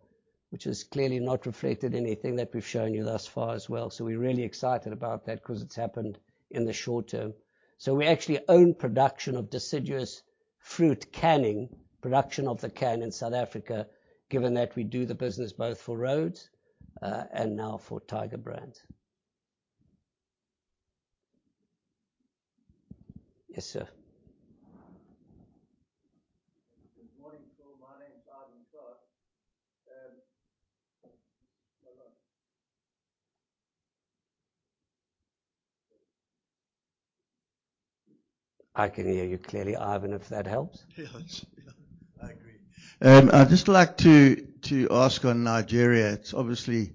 which is clearly not reflected in anything that we've shown you thus far as well. We're really excited about that 'cause it's happened in the short term. We actually own production of deciduous fruit canning, production of the can in South Africa, given that we do the business both for Rhodes and now for Tiger Brands. Yes, sir. Good morning to all. My name is Ivan Clark. I can hear you clearly, Ivan, if that helps. Yeah. I agree. I'd just like to ask on Nigeria. It's obviously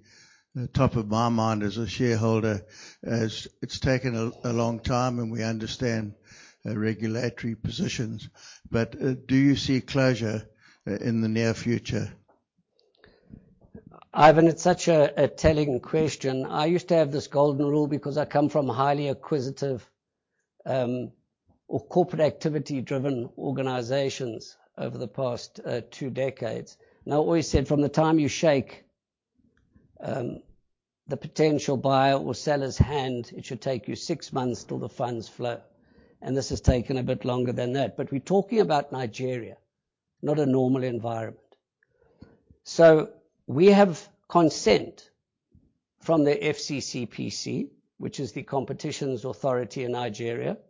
top of my mind as a shareholder, as it's taken a long time and we understand regulatory positions. Do you see closure in the near future? Ivan, it's such a telling question. I used to have this golden rule because I come from highly acquisitive or corporate activity-driven organizations over the past two decades. I always said, from the time you shake the potential buyer or seller's hand, it should take you six months till the funds flow. This has taken a bit longer than that. We talking about Nigeria, not a normal environment. We have consent from the FCCPC, which is the competition authority in Nigeria, for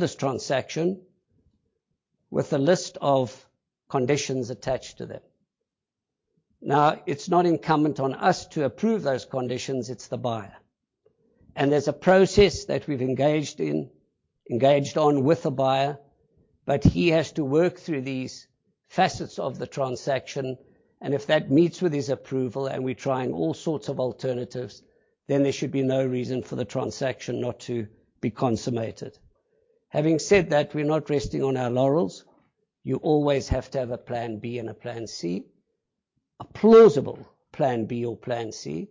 this transaction, with a list of conditions attached to them. Now, it's not incumbent on us to approve those conditions, it's the buyer. There's a process that we've engaged on with the buyer, but he has to work through these facets of the transaction, and if that meets with his approval, and we're trying all sorts of alternatives, then there should be no reason for the transaction not to be consummated. Having said that, we're not resting on our laurels. You always have to have a plan B and a plan C. A plausible plan B or plan C,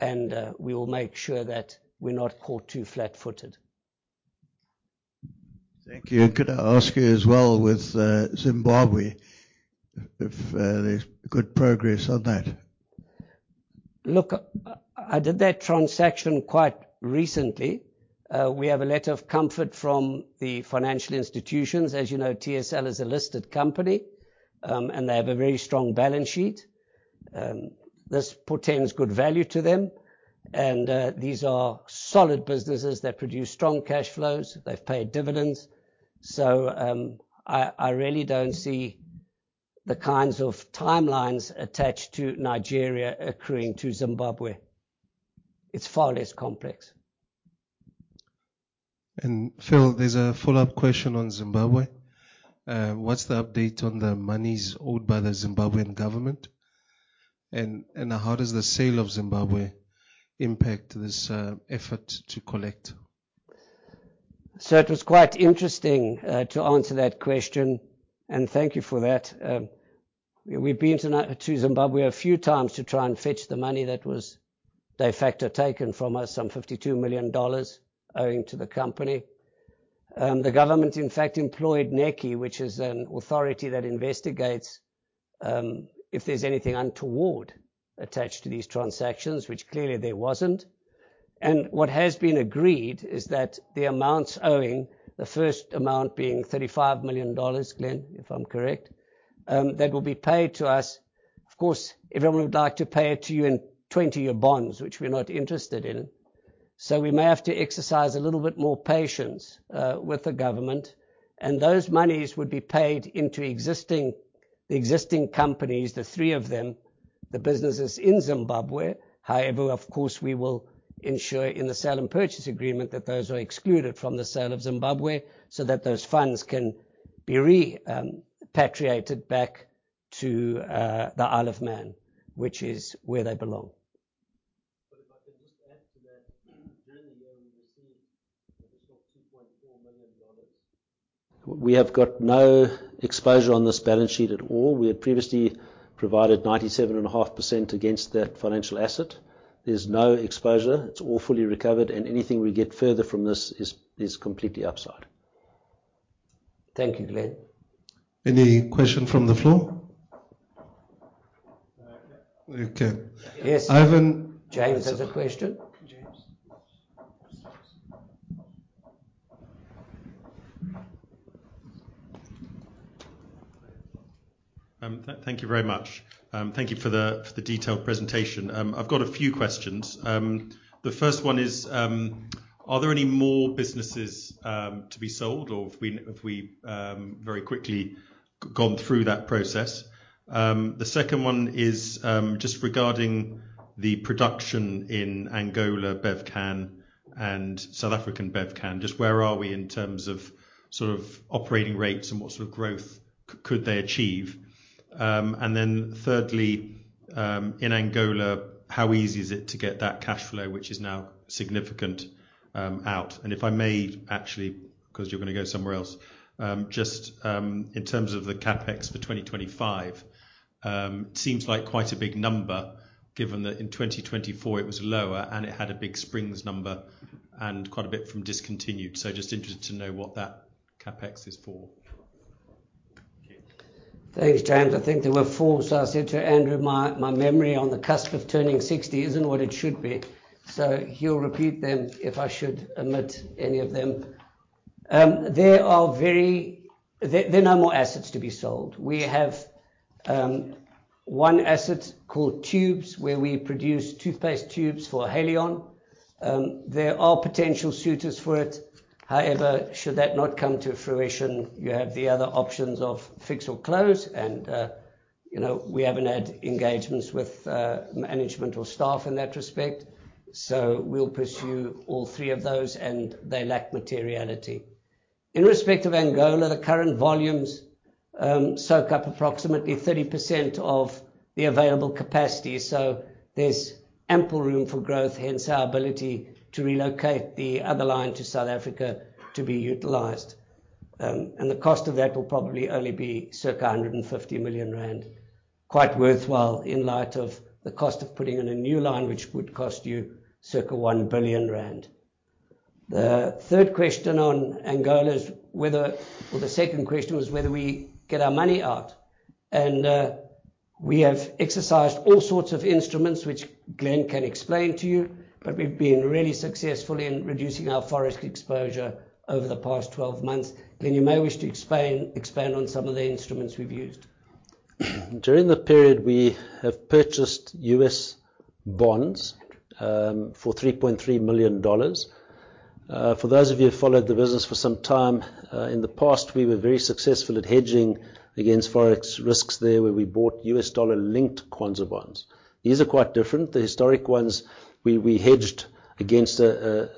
and we will make sure that we're not caught too flat-footed. Thank you. Could I ask you as well with Zimbabwe, if there's good progress on that? Look, I did that transaction quite recently. We have a letter of comfort from the financial institutions. As you know, TSL is a listed company, and they have a very strong balance sheet. This portends good value to them. These are solid businesses that produce strong cash flows. They've paid dividends. I really don't see the kinds of timelines attached to Nigeria occurring to Zimbabwe. It's far less complex. Phil, there's a follow-up question on Zimbabwe. What's the update on the monies owed by the Zimbabwean government? How does the sale of Zimbabwe impact this effort to collect? It was quite interesting to answer that question, and thank you for that. We've been to Zimbabwe a few times to try and fetch the money that was de facto taken from us, some $52 million owing to the company. The government, in fact, employed NECI, which is an authority that investigates if there's anything untoward attached to these transactions, which clearly there wasn't. What has been agreed is that the amounts owing, the first amount being $35 million, Glenn, if I'm correct, that will be paid to us. Of course, everyone would like to pay it to you in 20-year bonds, which we're not interested in. We may have to exercise a little bit more patience with the government. Those monies would be paid into the existing companies, the three of them, the businesses in Zimbabwe. However, of course, we will ensure in the sale and purchase agreement that those are excluded from the sale of Zimbabwe so that those funds can be repatriated back to the Isle of Man, which is where they belong. We have got no exposure on this balance sheet at all. We had previously provided 97.5% against that financial asset. There's no exposure. It's all fully recovered, and anything we get further from this is completely upside. Thank you, Glenn. Any question from the floor? Okay. Yes. Ivan- James has a question. James. Thank you very much. Thank you for the detailed presentation. I've got a few questions. The first one is, are there any more businesses to be sold or have we very quickly gone through that process? The second one is, just regarding the production in Angola, Bevcan and South African Bevcan, just where are we in terms of sort of operating rates and what sort of growth could they achieve? Thirdly, in Angola, how easy is it to get that cash flow, which is now significant, out? If I may, actually, because you're gonna go somewhere else, just, in terms of the CapEx for 2025, seems like quite a big number given that in 2024 it was lower and it had a big Springs number and quite a bit from discontinued. Just interested to know what that CapEx is for. Thank you. Thanks, James. I think there were four. I said to Andrew, my memory on the cusp of turning sixty isn't what it should be. He'll repeat them if I should omit any of them. There are no more assets to be sold. We have one asset called tubes, where we produce toothpaste tubes for Haleon. There are potential suitors for it. However, should that not come to fruition, you have the other options of fix or close and, you know, we haven't had engagements with management or staff in that respect. We'll pursue all three of those, and they lack materiality. In respect of Angola, the current volumes soak up approximately 30% of the available capacity, so there's ample room for growth, hence our ability to relocate the other line to South Africa to be utilized. The cost of that will probably only be circa 150 million rand. Quite worthwhile in light of the cost of putting in a new line, which would cost you circa 1 billion rand. The third question on Angola is whether or the second question was whether we get our money out. We have exercised all sorts of instruments which Glenn can explain to you, but we've been really successful in reducing our forex exposure over the past 12 months. Glenn, you may wish to expand on some of the instruments we've used. During the period, we have purchased US bonds for $3.3 million. For those of you who followed the business for some time, in the past, we were very successful at hedging against forex risks there, where we bought US dollar-linked Kwanza bonds. These are quite different. The historic ones, we hedged against a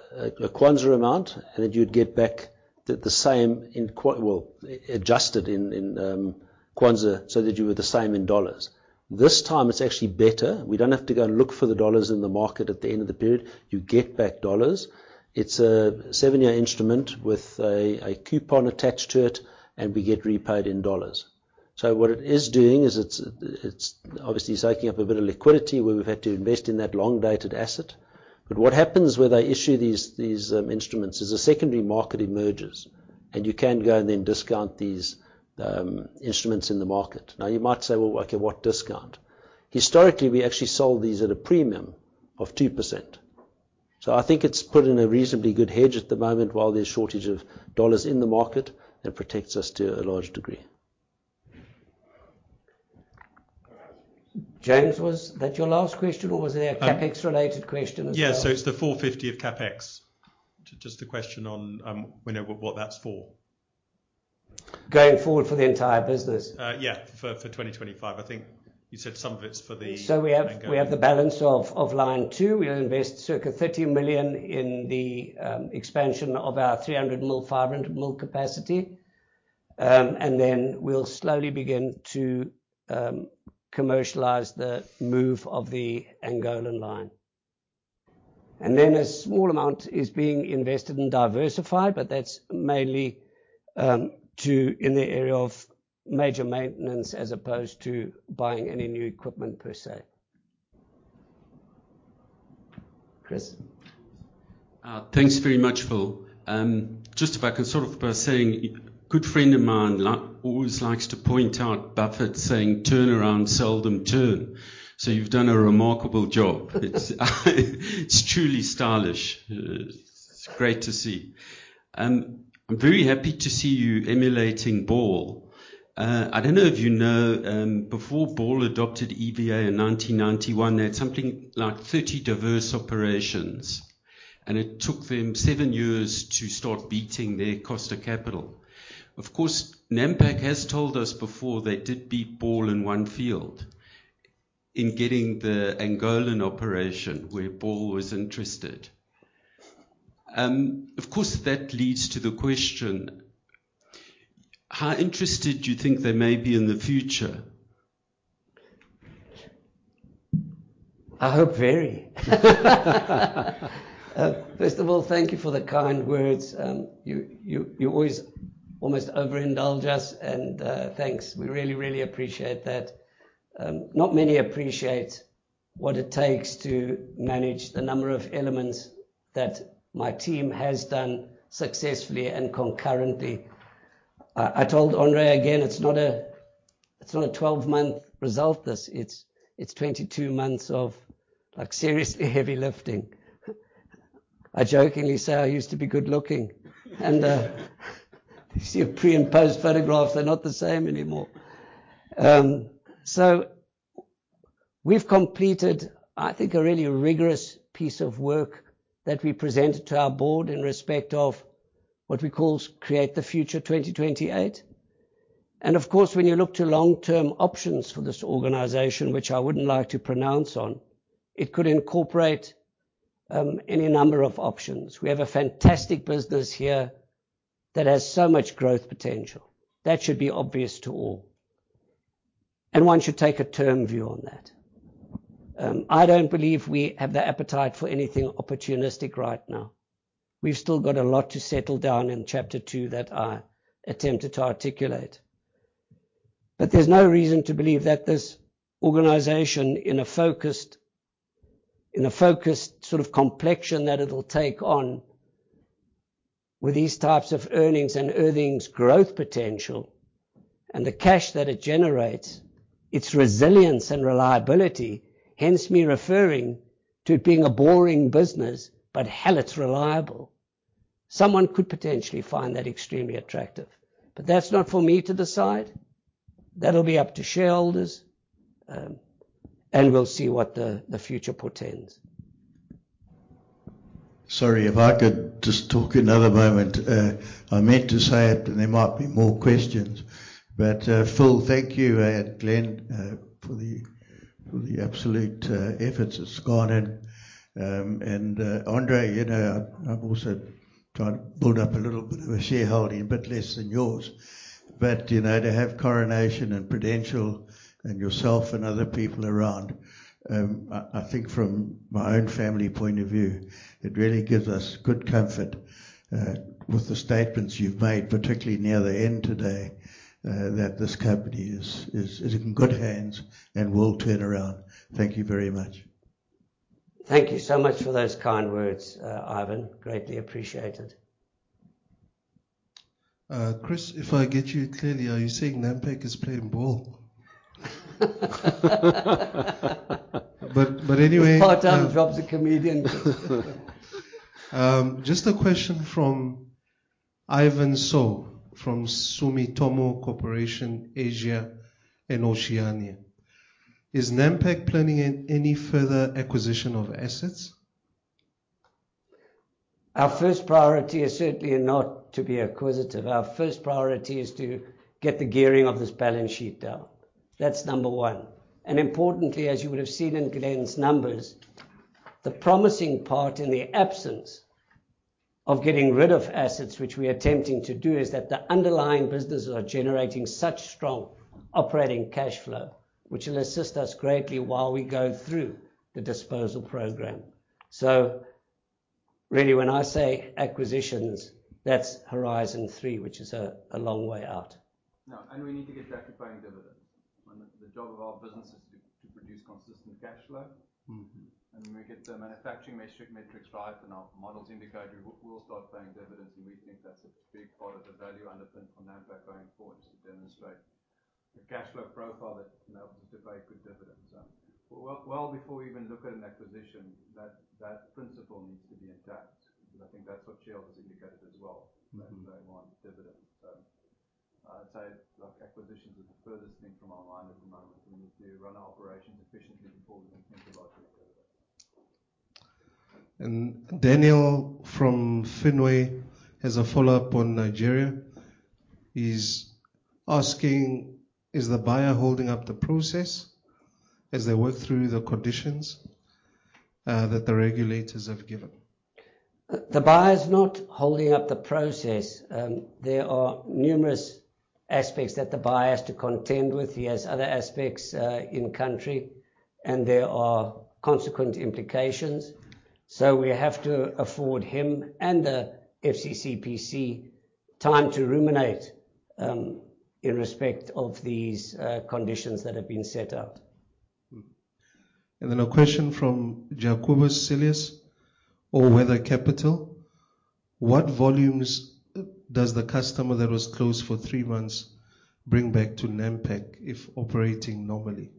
Kwanza amount, and then you'd get back the same in Kwanza, well, adjusted in Kwanza so that you were the same in dollars. This time it's actually better. We don't have to go and look for the dollars in the market at the end of the period. You get back dollars. It's a 7-year instrument with a coupon attached to it, and we get repaid in dollars. What it is doing is it's obviously soaking up a bit of liquidity where we've had to invest in that long-dated asset. What happens when they issue these instruments is a secondary market emerges, and you can go and then discount these instruments in the market. Now, you might say, "Well, okay, what discount?" Historically, we actually sold these at a premium of 2%. I think it's put in a reasonably good hedge at the moment while there's shortage of dollars in the market, and protects us to a large degree. James, was that your last question or was there a CapEx-related question as well? Yeah. It's the 450 of CapEx. Just a question on what that's for. Going forward for the entire business? Yeah, for 2025. I think you said some of it's for the- We have- Angola We have the balance of Line 2. We'll invest circa 30 million in the expansion of our 300 ml, 500 ml capacity. We'll slowly begin to commercialize the move of the Angolan line. A small amount is being invested in Diversified, but that's mainly to in the area of major maintenance as opposed to buying any new equipment per se. Chris. Thanks very much, Phil. Just if I can start by saying good friend of mine always likes to point out Buffett saying, "Turnaround seldom turn." You've done a remarkable job. It's truly stylish. It's great to see. I'm very happy to see you emulating Ball. I don't know if you know, before Ball adopted EVA in 1991, they had something like 30 diverse operations, and it took them seven years to start beating their cost of capital. Of course, Nampak has told us before they did beat Ball in one field in getting the Angolan operation where Ball was interested. Of course, that leads to the question, how interested do you think they may be in the future? I hope very. First of all, thank you for the kind words. You always almost overindulge us and, thanks. We really appreciate that. Not many appreciate what it takes to manage the number of elements that my team has done successfully and concurrently. I told André again, it's not a 12-month result this. It's 22 months of, like, seriously heavy lifting. I jokingly say I used to be good-looking. If you see a pre and post photographs, they're not the same anymore. We've completed, I think, a really rigorous piece of work that we presented to our board in respect of what we call Create the Future 2028. Of course, when you look to long-term options for this organization, which I wouldn't like to pronounce on, it could incorporate any number of options. We have a fantastic business here that has so much growth potential. That should be obvious to all, and one should take a long-term view on that. I don't believe we have the appetite for anything opportunistic right now. We've still got a lot to settle down in chapter two that I attempted to articulate. There's no reason to believe that this organization, in a focused sort of complexion that it'll take on with these types of earnings and earnings growth potential and the cash that it generates, its resilience and reliability, hence me referring to it being a boring business, but hell, it's reliable. Someone could potentially find that extremely attractive. That's not for me to decide. That'll be up to shareholders. We'll see what the future portends. Sorry, if I could just talk another moment. I meant to say it, and there might be more questions. Phil, thank you and Glenn for the absolute efforts that's gone in. André, you know, I've also tried to build up a little bit of a shareholding, a bit less than yours. You know, to have Coronation and Prudential and yourself and other people around, I think from my own family point of view, it really gives us good comfort with the statements you've made, particularly near the end today, that this company is in good hands and will turn around. Thank you very much. Thank you so much for those kind words, Ivan. Greatly appreciated. Chris, if I get you correctly, are you saying Nampak is playing ball? Anyway. Part-time job's a comedian. Just a question from Ivan So from Sumitomo Corporation, Asia and Oceania. Is Nampak planning any further acquisition of assets? Our first priority is certainly not to be acquisitive. Our first priority is to get the gearing of this balance sheet down. That's number one. Importantly, as you would have seen in Glenn's numbers, the promising part in the absence of getting rid of assets, which we are attempting to do, is that the underlying businesses are generating such strong operating cash flow, which will assist us greatly while we go through the disposal program. Really when I say acquisitions, that's horizon three, which is a long way out. No, we need to get back to paying dividends. When the job of our business is to produce consistent cash flow. When we get the manufacturing metrics right and our models indicate, we'll start paying dividends, and we think that's a big part of the value underpin for Nampak going forward is to demonstrate the cash flow profile that enables us to pay a good dividend. Well, well before we even look at an acquisition, that principle needs to be intact because I think that's what shareholders indicated as well. That they want dividends. Like acquisitions are the furthest thing from our mind at the moment. We need to run our operations efficiently before we can- Daniel from Fenway has a follow-up on Nigeria. He's asking, is the buyer holding up the process as they work through the conditions, that the regulators have given? The buyer's not holding up the process. There are numerous aspects that the buyer has to contend with. He has other aspects, in country, and there are consequent implications. We have to afford him and the FCCPC time to ruminate, in respect of these, conditions that have been set out. A question from Jacobus Cilliers of All Weather Capital: What volumes does the customer that was closed for three months bring back to Nampak if operating normally?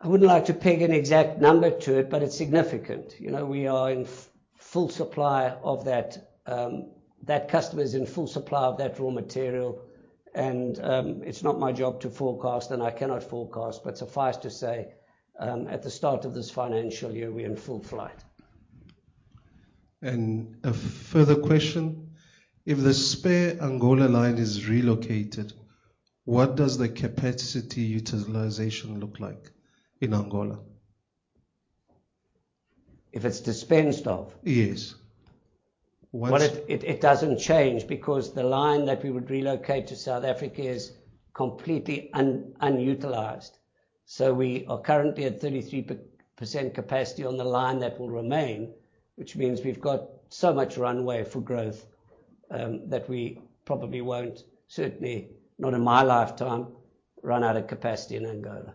I wouldn't like to peg an exact number to it, but it's significant. You know, we are in full supply of that, that customer is in full supply of that raw material and, it's not my job to forecast, and I cannot forecast. Suffice to say, at the start of this financial year, we're in full flight. A further question: If the spare Angola line is relocated, what does the capacity utilization look like in Angola? If it's dispensed of? Yes. Well, it doesn't change because the line that we would relocate to South Africa is completely unutilized. We are currently at 33% capacity on the line that will remain, which means we've got so much runway for growth that we probably won't, certainly not in my lifetime, run out of capacity in Angola.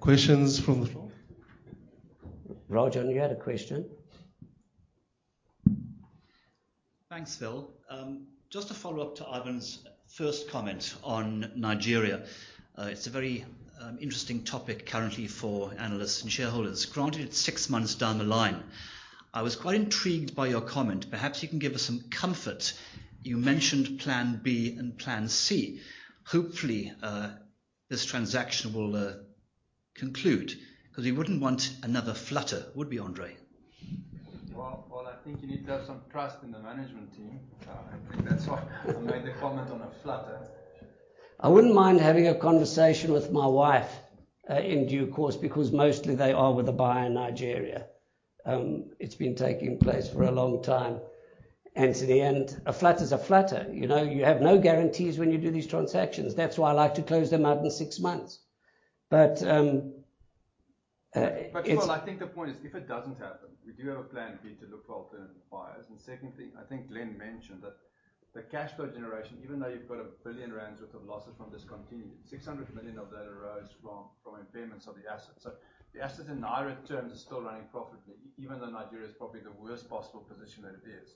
Questions from the floor? Roger, you had a question. Thanks, Phil. Just a follow-up to Ivan's first comment on Nigeria. It's a very interesting topic currently for analysts and shareholders. Granted, it's six months down the line. I was quite intrigued by your comment. Perhaps you can give us some comfort. You mentioned plan B and plan C. Hopefully, this transaction will conclude because we wouldn't want another flutter, would we, André? Well, well, I think you need to have some trust in the management team. That's why I made the comment on a flutter. I wouldn't mind having a conversation with my wife in due course, because mostly they are with a buyer in Nigeria. It's been taking place for a long time. To the end, a flutter is a flutter. You know, you have no guarantees when you do these transactions. That's why I like to close them out in six months. It's- Phil, I think the point is, if it doesn't happen, we do have a plan B to look for alternative buyers. Secondly, I think Glenn mentioned that the cash flow generation, even though you've got 1 billion rand worth of losses from discontinued, 600 million of that arose from impairments of the assets. The assets in naira terms are still running profitably even though Nigeria is probably the worst possible position that it is.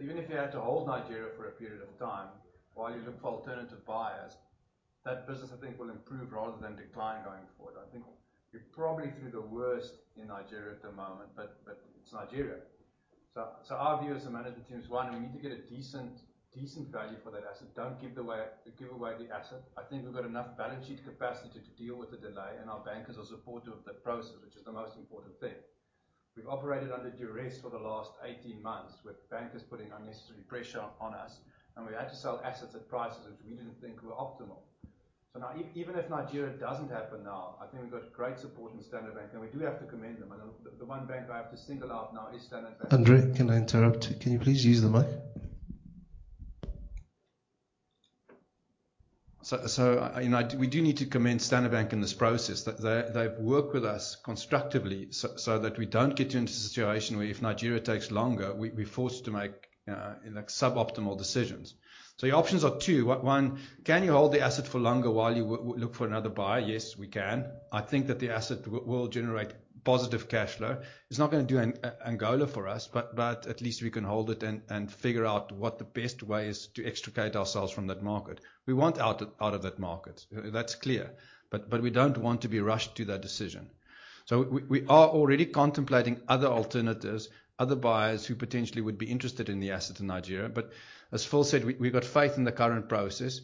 Even if you had to hold Nigeria for a period of time while you look for alternative buyers, that business I think will improve rather than decline going forward. I think you're probably through the worst in Nigeria at the moment, but it's Nigeria. Our view as the management team is, one, we need to get a decent value for that asset. Don't give away the asset. I think we've got enough balance sheet capacity to deal with the delay, and our bankers are supportive of the process, which is the most important thing. We've operated under duress for the last 18 months, with bankers putting unnecessary pressure on us, and we've had to sell assets at prices which we didn't think were optimal. Now even if Nigeria doesn't happen now, I think we've got great support from Standard Bank, and we do have to commend them. The one bank I have to single out now is Standard Bank. André, can I interrupt? Can you please use the mic? We do need to commend Standard Bank in this process. They've worked with us constructively so that we don't get into a situation where if Nigeria takes longer, we're forced to make suboptimal decisions. Your options are two. One, can you hold the asset for longer while you look for another buyer? Yes, we can. I think that the asset will generate positive cash flow. It's not gonna do Angola for us, but at least we can hold it and figure out what the best way is to extricate ourselves from that market. We want out of that market. That's clear. We don't want to be rushed to that decision. We are already contemplating other alternatives, other buyers who potentially would be interested in the asset in Nigeria. As Phil said, we've got faith in the current process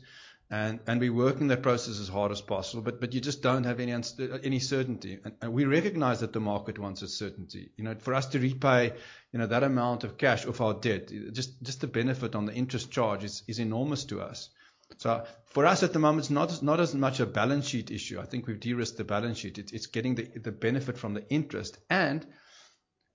and we're working that process as hard as possible. You just don't have any certainty. We recognize that the market wants a certainty. You know, for us to repay, you know, that amount of cash of our debt, just the benefit on the interest charge is enormous to us. For us at the moment, it's not as much a balance sheet issue. I think we've de-risked the balance sheet. It's getting the benefit from the interest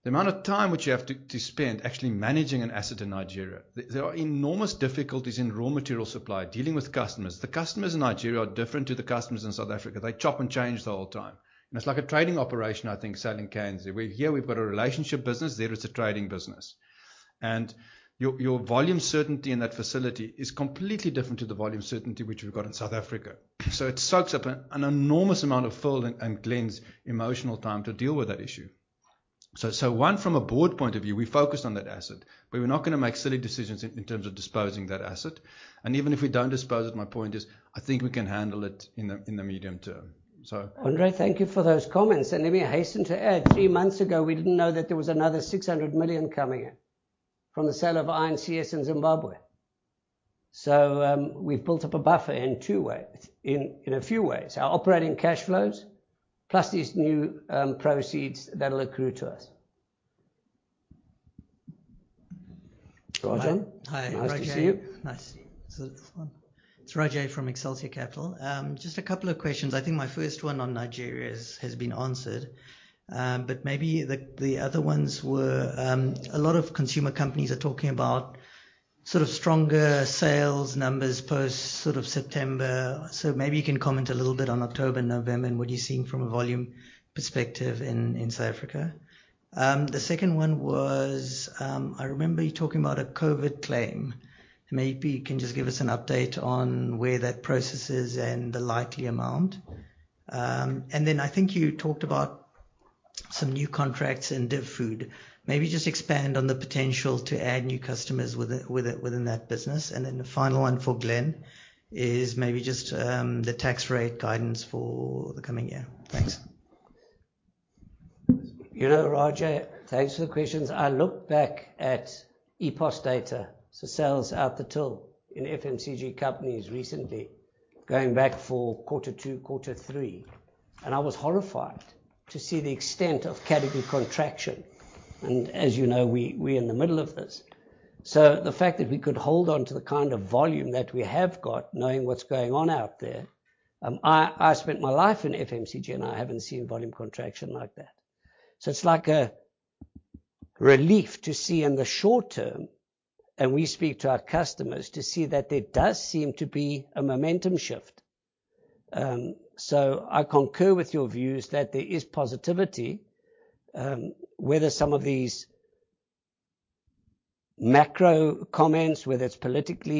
and the amount of time which you have to spend actually managing an asset in Nigeria. There are enormous difficulties in raw material supply, dealing with customers. The customers in Nigeria are different to the customers in South Africa. They chop and change the whole time. It's like a trading operation, I think, selling cans. Here we've got a relationship business. There it's a trading business. Your volume certainty in that facility is completely different to the volume certainty which we've got in South Africa. So it soaks up an enormous amount of Phil and Glenn's emotional time to deal with that issue. So one, from a board point of view, we focused on that asset, but we're not gonna make silly decisions in terms of disposing that asset. Even if we don't dispose it, my point is, I think we can handle it in the medium term. André, thank you for those comments. Let me hasten to add, three months ago, we didn't know that there was another 600 million coming in from the sale of I&CS in Zimbabwe. We've built up a buffer in two ways, in a few ways. Our operating cash flows, plus these new proceeds that'll accrue to us. Roger. Hi. Nice to see you. Nice to see you. Is it this one? It's Roger from Excelsior Capital. Just a couple of questions. I think my first one on Nigeria has been answered. Maybe a lot of consumer companies are talking about sort of stronger sales numbers post sort of September. Maybe you can comment a little bit on October, November, and what you're seeing from a volume perspective in South Africa. The second one was, I remember you talking about a COVID claim. Maybe you can just give us an update on where that process is and the likely amount. Then I think you talked about some new contracts in DivFood. Maybe just expand on the potential to add new customers with it within that business. The final one for Glenn is maybe just the tax rate guidance for the coming year. Thanks. You know, Roger, thanks for the questions. I look back at EPOS data, so sales out the till in FMCG companies recently, going back for quarter two, quarter three, and I was horrified to see the extent of category contraction. As you know, we're in the middle of this. The fact that we could hold on to the kind of volume that we have got, knowing what's going on out there, I spent my life in FMCG, and I haven't seen volume contraction like that. It's like a relief to see in the short term, and we speak to our customers to see that there does seem to be a momentum shift. I concur with your views that there is positivity, whether some of these macro comments, whether it's political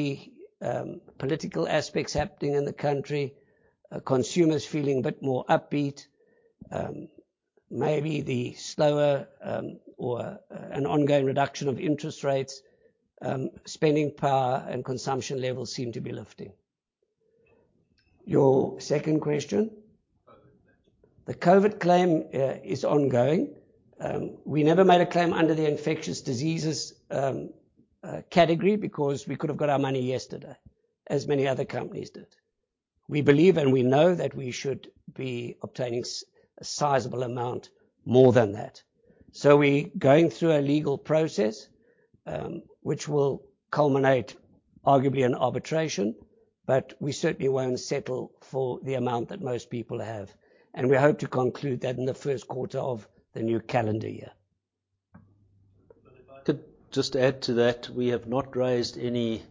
aspects happening in the country, consumers feeling a bit more upbeat, maybe an ongoing reduction of interest rates, spending power and consumption levels seem to be lifting. Your second question? COVID claim. The COVID claim is ongoing. We never made a claim under the infectious diseases category because we could have got our money yesterday, as many other companies did. We believe and we know that we should be obtaining a sizable amount more than that. We going through a legal process, which will culminate arguably in arbitration, but we certainly won't settle for the amount that most people have, and we hope to conclude that in the first quarter of the new calendar year. If I could just add to that. We have not raised any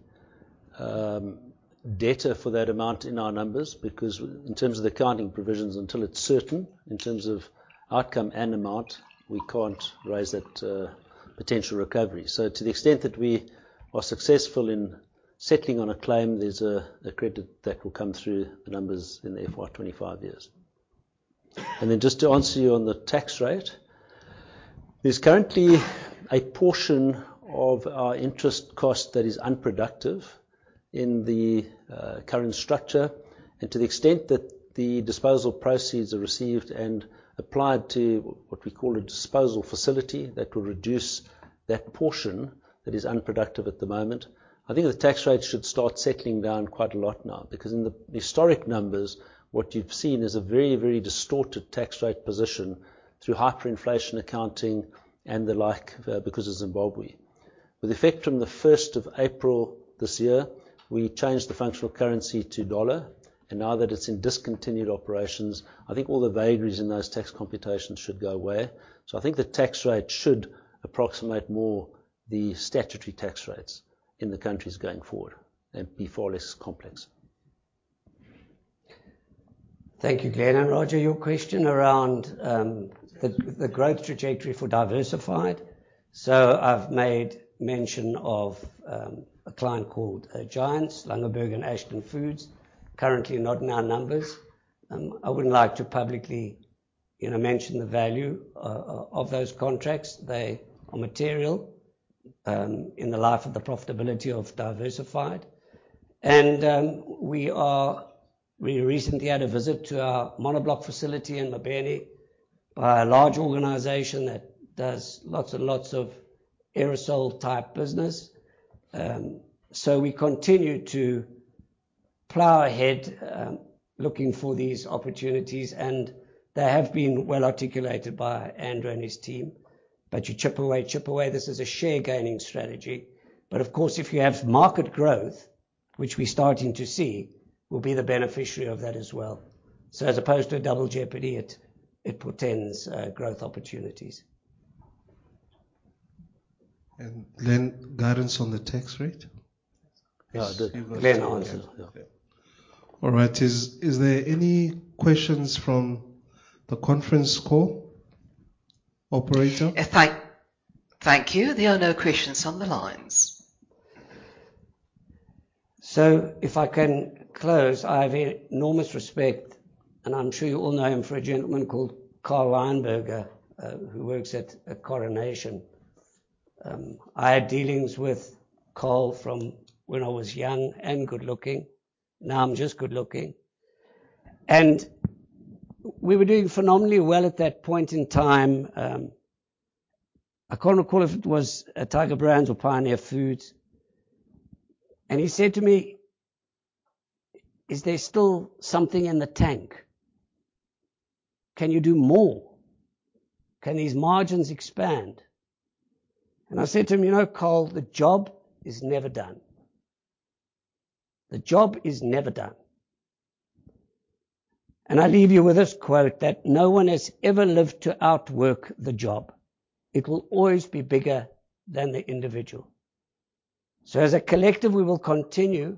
data for that amount in our numbers because in terms of the accounting provisions, until it's certain, in terms of outcome and amount, we can't raise that potential recovery. To the extent that we are successful in settling on a claim, there's a credit that will come through the numbers in the FY 2025. Then just to answer you on the tax rate. There's currently a portion of our interest cost that is unproductive in the current structure. To the extent that the disposal proceeds are received and applied to what we call a disposal facility, that will reduce that portion that is unproductive at the moment. I think the tax rate should start settling down quite a lot now because in the historic numbers, what you've seen is a very, very distorted tax rate position through hyperinflation accounting and the like because of Zimbabwe. With effect from the first of April this year, we changed the functional currency to dollar, and now that it's in discontinued operations, I think all the variances in those tax computations should go away. I think the tax rate should approximate more the statutory tax rates in the countries going forward and be far less complex. Thank you, Glenn. Roger, your question around the growth trajectory for Diversified. I've made mention of a client called Giants, Langeberg and Ashton Foods, currently not in our numbers. I wouldn't like to publicly, you know, mention the value of those contracts. They are material in the life of the profitability of Diversified. We recently had a visit to our Monobloc facility in Mobeni by a large organization that does lots and lots of aerosol type business. We continue to plow ahead looking for these opportunities, and they have been well articulated by Andrew and his team. You chip away. This is a share gaining strategy. Of course, if you have market growth, which we're starting to see, we'll be the beneficiary of that as well. As opposed to a double jeopardy, it portends growth opportunities. Glenn, guidance on the tax rate. Yeah. Glenn answered. Yeah. All right. Is there any questions from the conference call, operator? Thank you. There are no questions on the lines. If I can close. I have enormous respect, and I'm sure you all know him, for a gentleman called Karl Leinberger, who works at Coronation. I had dealings with Karl from when I was young and good-looking. Now I'm just good-looking. We were doing phenomenally well at that point in time. I can't recall if it was Tiger Brands or Pioneer Foods. He said to me, "Is there still something in the tank? Can you do more? Can these margins expand?" I said to him, "You know, Karl, the job is never done. The job is never done." I leave you with this quote, that, "No one has ever lived to outwork the job. It will always be bigger than the individual. As a collective, we will continue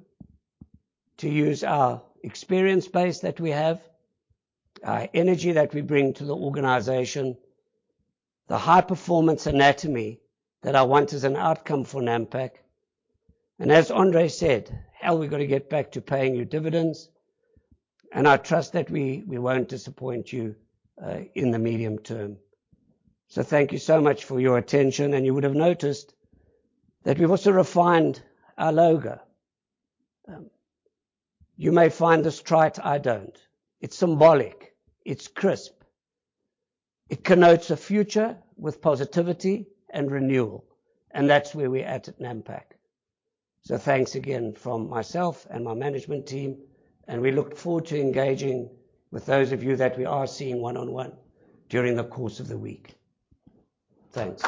to use our experience base that we have, our energy that we bring to the organization, the high-performance anatomy that I want as an outcome for Nampak. As André said, "Hell, we've got to get back to paying you dividends." I trust that we won't disappoint you in the medium term. Thank you so much for your attention. You would have noticed that we've also refined our logo. You may find this trite. I don't. It's symbolic. It's crisp. It connotes a future with positivity and renewal, and that's where we at Nampak. Thanks again from myself and my management team, and we look forward to engaging with those of you that we are seeing one-on-one during the course of the week. Thanks.